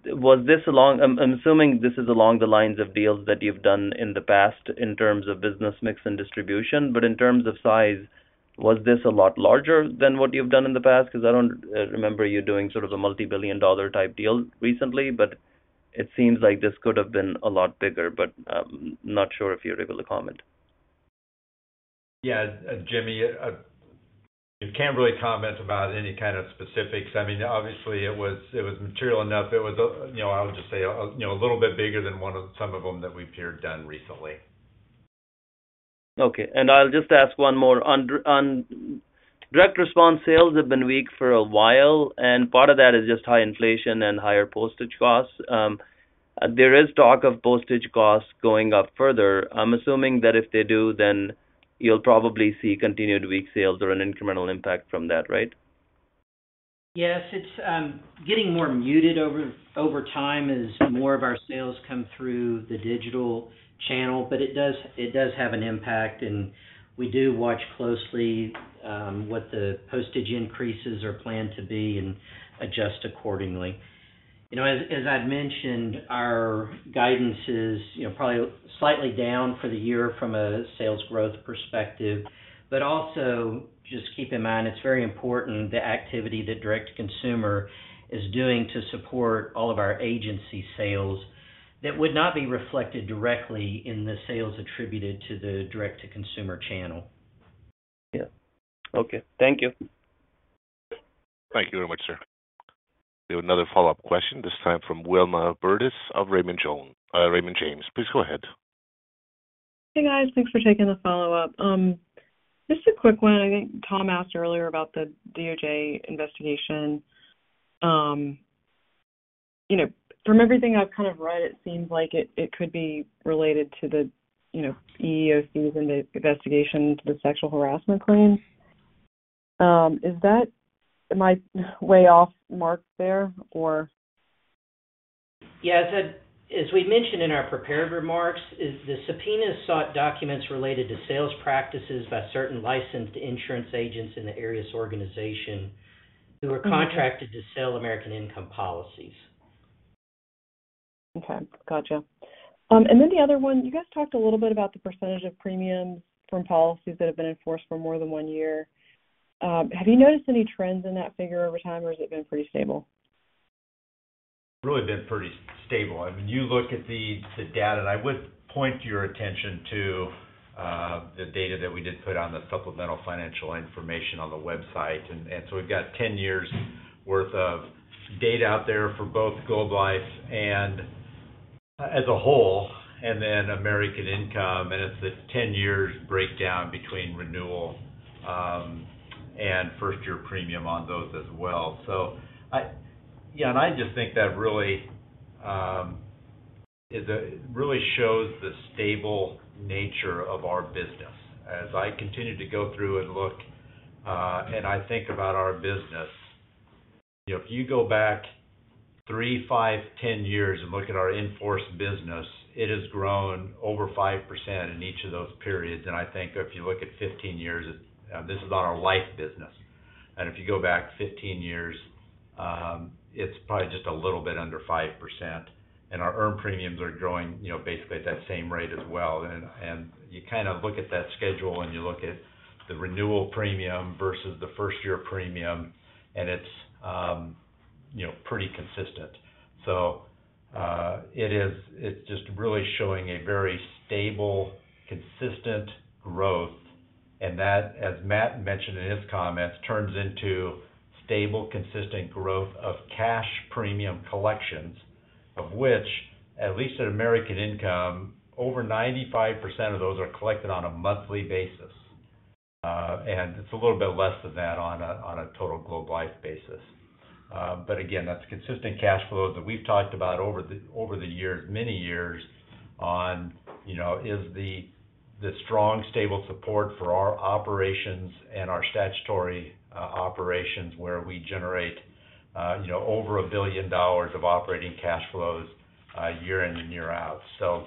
was this along... I'm assuming this is along the lines of deals that you've done in the past in terms of business mix and distribution, but in terms of size, was this a lot larger than what you've done in the past? Because I don't remember you doing sort of a multi-billion dollar type deal recently, but it seems like this could have been a lot bigger, but not sure if you're able to comment. Yeah, Jimmy, we can't really comment about any kind of specifics. I mean, obviously, it was material enough. It was, you know, I would just say, you know, a little bit bigger than one of some of them that we've done here recently. Okay, and I'll just ask one more. On direct response, sales have been weak for a while, and part of that is just high inflation and higher postage costs. There is talk of postage costs going up further. I'm assuming that if they do, then you'll probably see continued weak sales or an incremental impact from that, right? Yes. It's getting more muted over time as more of our sales come through the digital channel. But it does have an impact, and we do watch closely what the postage increases are planned to be and adjust accordingly. You know, as I've mentioned, our guidance is, you know, probably slightly down for the year from a sales growth perspective. But also, just keep in mind, it's very important, the activity that direct-to-consumer is doing to support all of our agency sales, that would not be reflected directly in the sales attributed to the direct-to-consumer channel. Yeah. Okay. Thank you. Thank you very much, sir. We have another follow-up question, this time from Wilma Burdis of Raymond James. Please go ahead. Hey, guys. Thanks for taking the follow-up. Just a quick one. I think Tom asked earlier about the DOJ investigation. You know, from everything I've kind of read, it seems like it could be related to the EEOC's investigation into the sexual harassment claim. Is that, am I way off mark there, or?... Yeah, as I, as we mentioned in our prepared remarks, is the subpoenas sought documents related to sales practices by certain licensed insurance agents in the Arias organization who were contracted to sell American Income policies. Okay, gotcha. And then the other one, you guys talked a little bit about the percentage of premiums from policies that have been in force for more than one year. Have you noticed any trends in that figure over time, or has it been pretty stable? Really been pretty stable. I mean, you look at the data, and I would point your attention to the data that we did put on the supplemental financial information on the website. And so we've got 10 years' worth of data out there for both Globe Life and as a whole, and then American Income, and it's the 10 years breakdown between renewal and first-year premium on those as well. So yeah, and I just think that really, it really shows the stable nature of our business. As I continue to go through and look, and I think about our business, you know, if you go back three, five, 10 years and look at our in-force business, it has grown over 5% in each of those periods. I think if you look at 15 years, it's this is on our life business, and if you go back 15 years, it's probably just a little bit under 5%, and our earned premiums are growing, you know, basically at that same rate as well. And you kind of look at that schedule, and you look at the renewal premium versus the first-year premium, and it's, you know, pretty consistent. It is, it's just really showing a very stable, consistent growth, and that, as Matt mentioned in his comments, turns into stable, consistent growth of cash premium collections, of which, at least at American Income, over 95% of those are collected on a monthly basis. And it's a little bit less than that on a, on a total Globe Life basis. But again, that's consistent cash flow that we've talked about over the, over the years, many years on, you know, is the strong, stable support for our operations and our statutory operations, where we generate, you know, over $1 billion of operating cash flows year in and year out. So,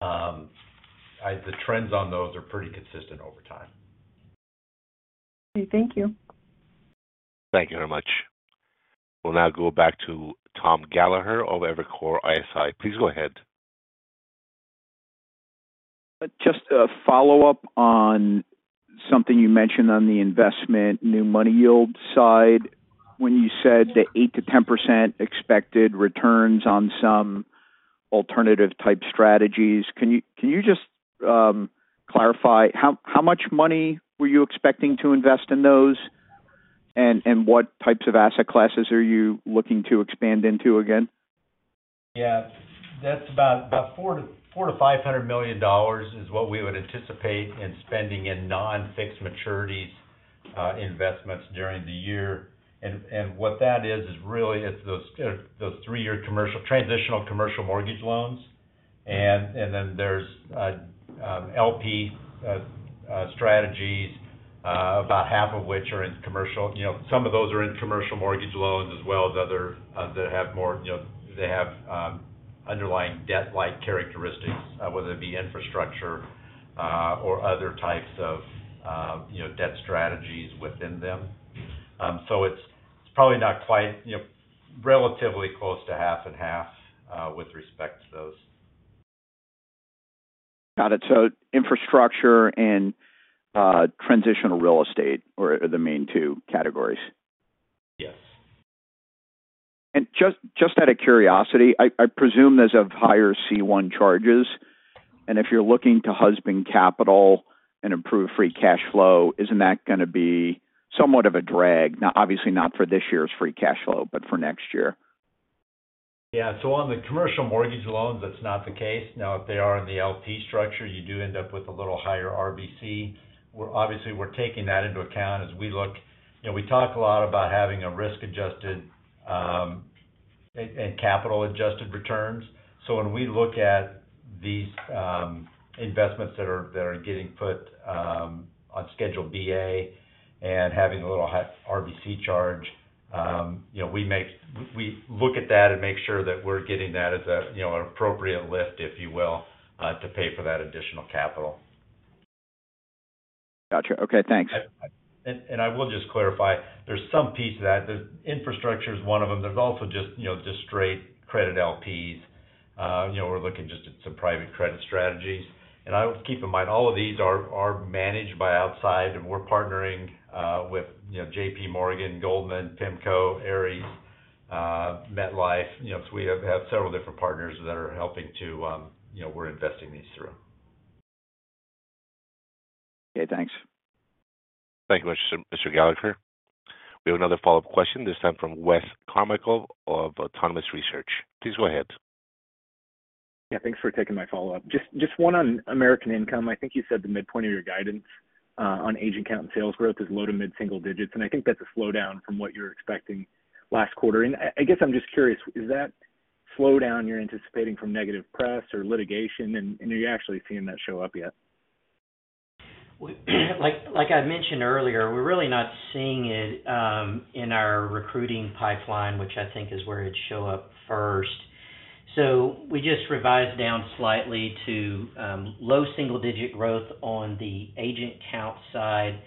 the trends on those are pretty consistent over time. Okay, thank you. Thank you very much. We'll now go back to Tom Gallagher of Evercore ISI. Please go ahead. Just a follow-up on something you mentioned on the investment new money yield side, when you said that 8%-10% expected returns on some alternative type strategies, can you, can you just clarify how, how much money were you expecting to invest in those? And, and what types of asset classes are you looking to expand into again? Yeah, that's about $400 million-$500 million is what we would anticipate in spending in non-fixed maturities investments during the year. And what that is is really it's those three-year commercial transitional commercial mortgage loans. And then there's LP strategies, about half of which are in commercial. You know, some of those are in commercial mortgage loans, as well as other that have more, you know, they have underlying debt-like characteristics, whether it be infrastructure or other types of, you know, debt strategies within them. So it's probably not quite, you know, relatively close to half and half with respect to those. Got it. So infrastructure and transitional real estate are the main two categories? Yes. Just out of curiosity, I presume there's of higher C1 charges, and if you're looking to husband capital and improve free cash flow, isn't that gonna be somewhat of a drag? Now, obviously not for this year's free cash flow, but for next year. Yeah. So on the commercial mortgage loans, that's not the case. Now, if they are in the LP structure, you do end up with a little higher RBC. We're obviously taking that into account as we look. You know, we talk a lot about having a risk-adjusted and capital-adjusted returns. So when we look at these investments that are getting put on Schedule BA and having a little high RBC charge, you know, we look at that and make sure that we're getting that as a, you know, an appropriate lift, if you will, to pay for that additional capital. Gotcha. Okay, thanks. I will just clarify, there's some piece to that. The infrastructure is one of them. There's also just, you know, just straight credit LPs. You know, we're looking just at some private credit strategies. I would keep in mind, all of these are managed by outside, and we're partnering with, you know, JPMorgan, Goldman, PIMCO, Arias, MetLife, you know, so we have several different partners that are helping to, you know, we're investing these through. Okay, thanks. Thank you much, Mr. Gallagher. We have another follow-up question, this time from Wes Carmichael of Autonomous Research. Please go ahead. Yeah, thanks for taking my follow-up. Just one on American Income. I think you said the midpoint of your guidance on agent count and sales growth is low to mid single digits, and I think that's a slowdown from what you were expecting last quarter. And I guess I'm just curious, is that slowdown you're anticipating from negative press or litigation, and are you actually seeing that show up yet? Well, like I mentioned earlier, we're really not seeing it in our recruiting pipeline, which I think is where it'd show up first. So we just revised down slightly to low single digit growth on the agent count side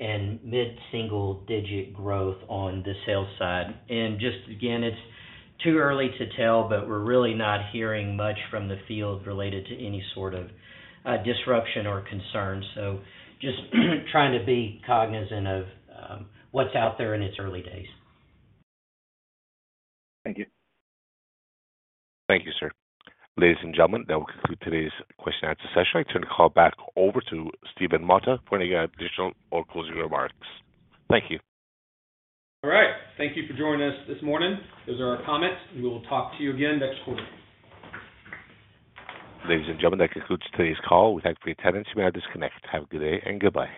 and mid-single digit growth on the sales side. And just again, it's too early to tell, but we're really not hearing much from the field related to any sort of disruption or concern. Just trying to be cognizant of what's out there in its early days. Thank you. Thank you, sir. Ladies and gentlemen, that will conclude today's question and answer session. I turn the call back over to Stephen Mota for any additional or closing remarks. Thank you. All right. Thank you for joining us this morning. Those are our comments, and we will talk to you again next quarter. Ladies and gentlemen, that concludes today's call. We thank you for your attendance. You may now disconnect. Have a good day and goodbye.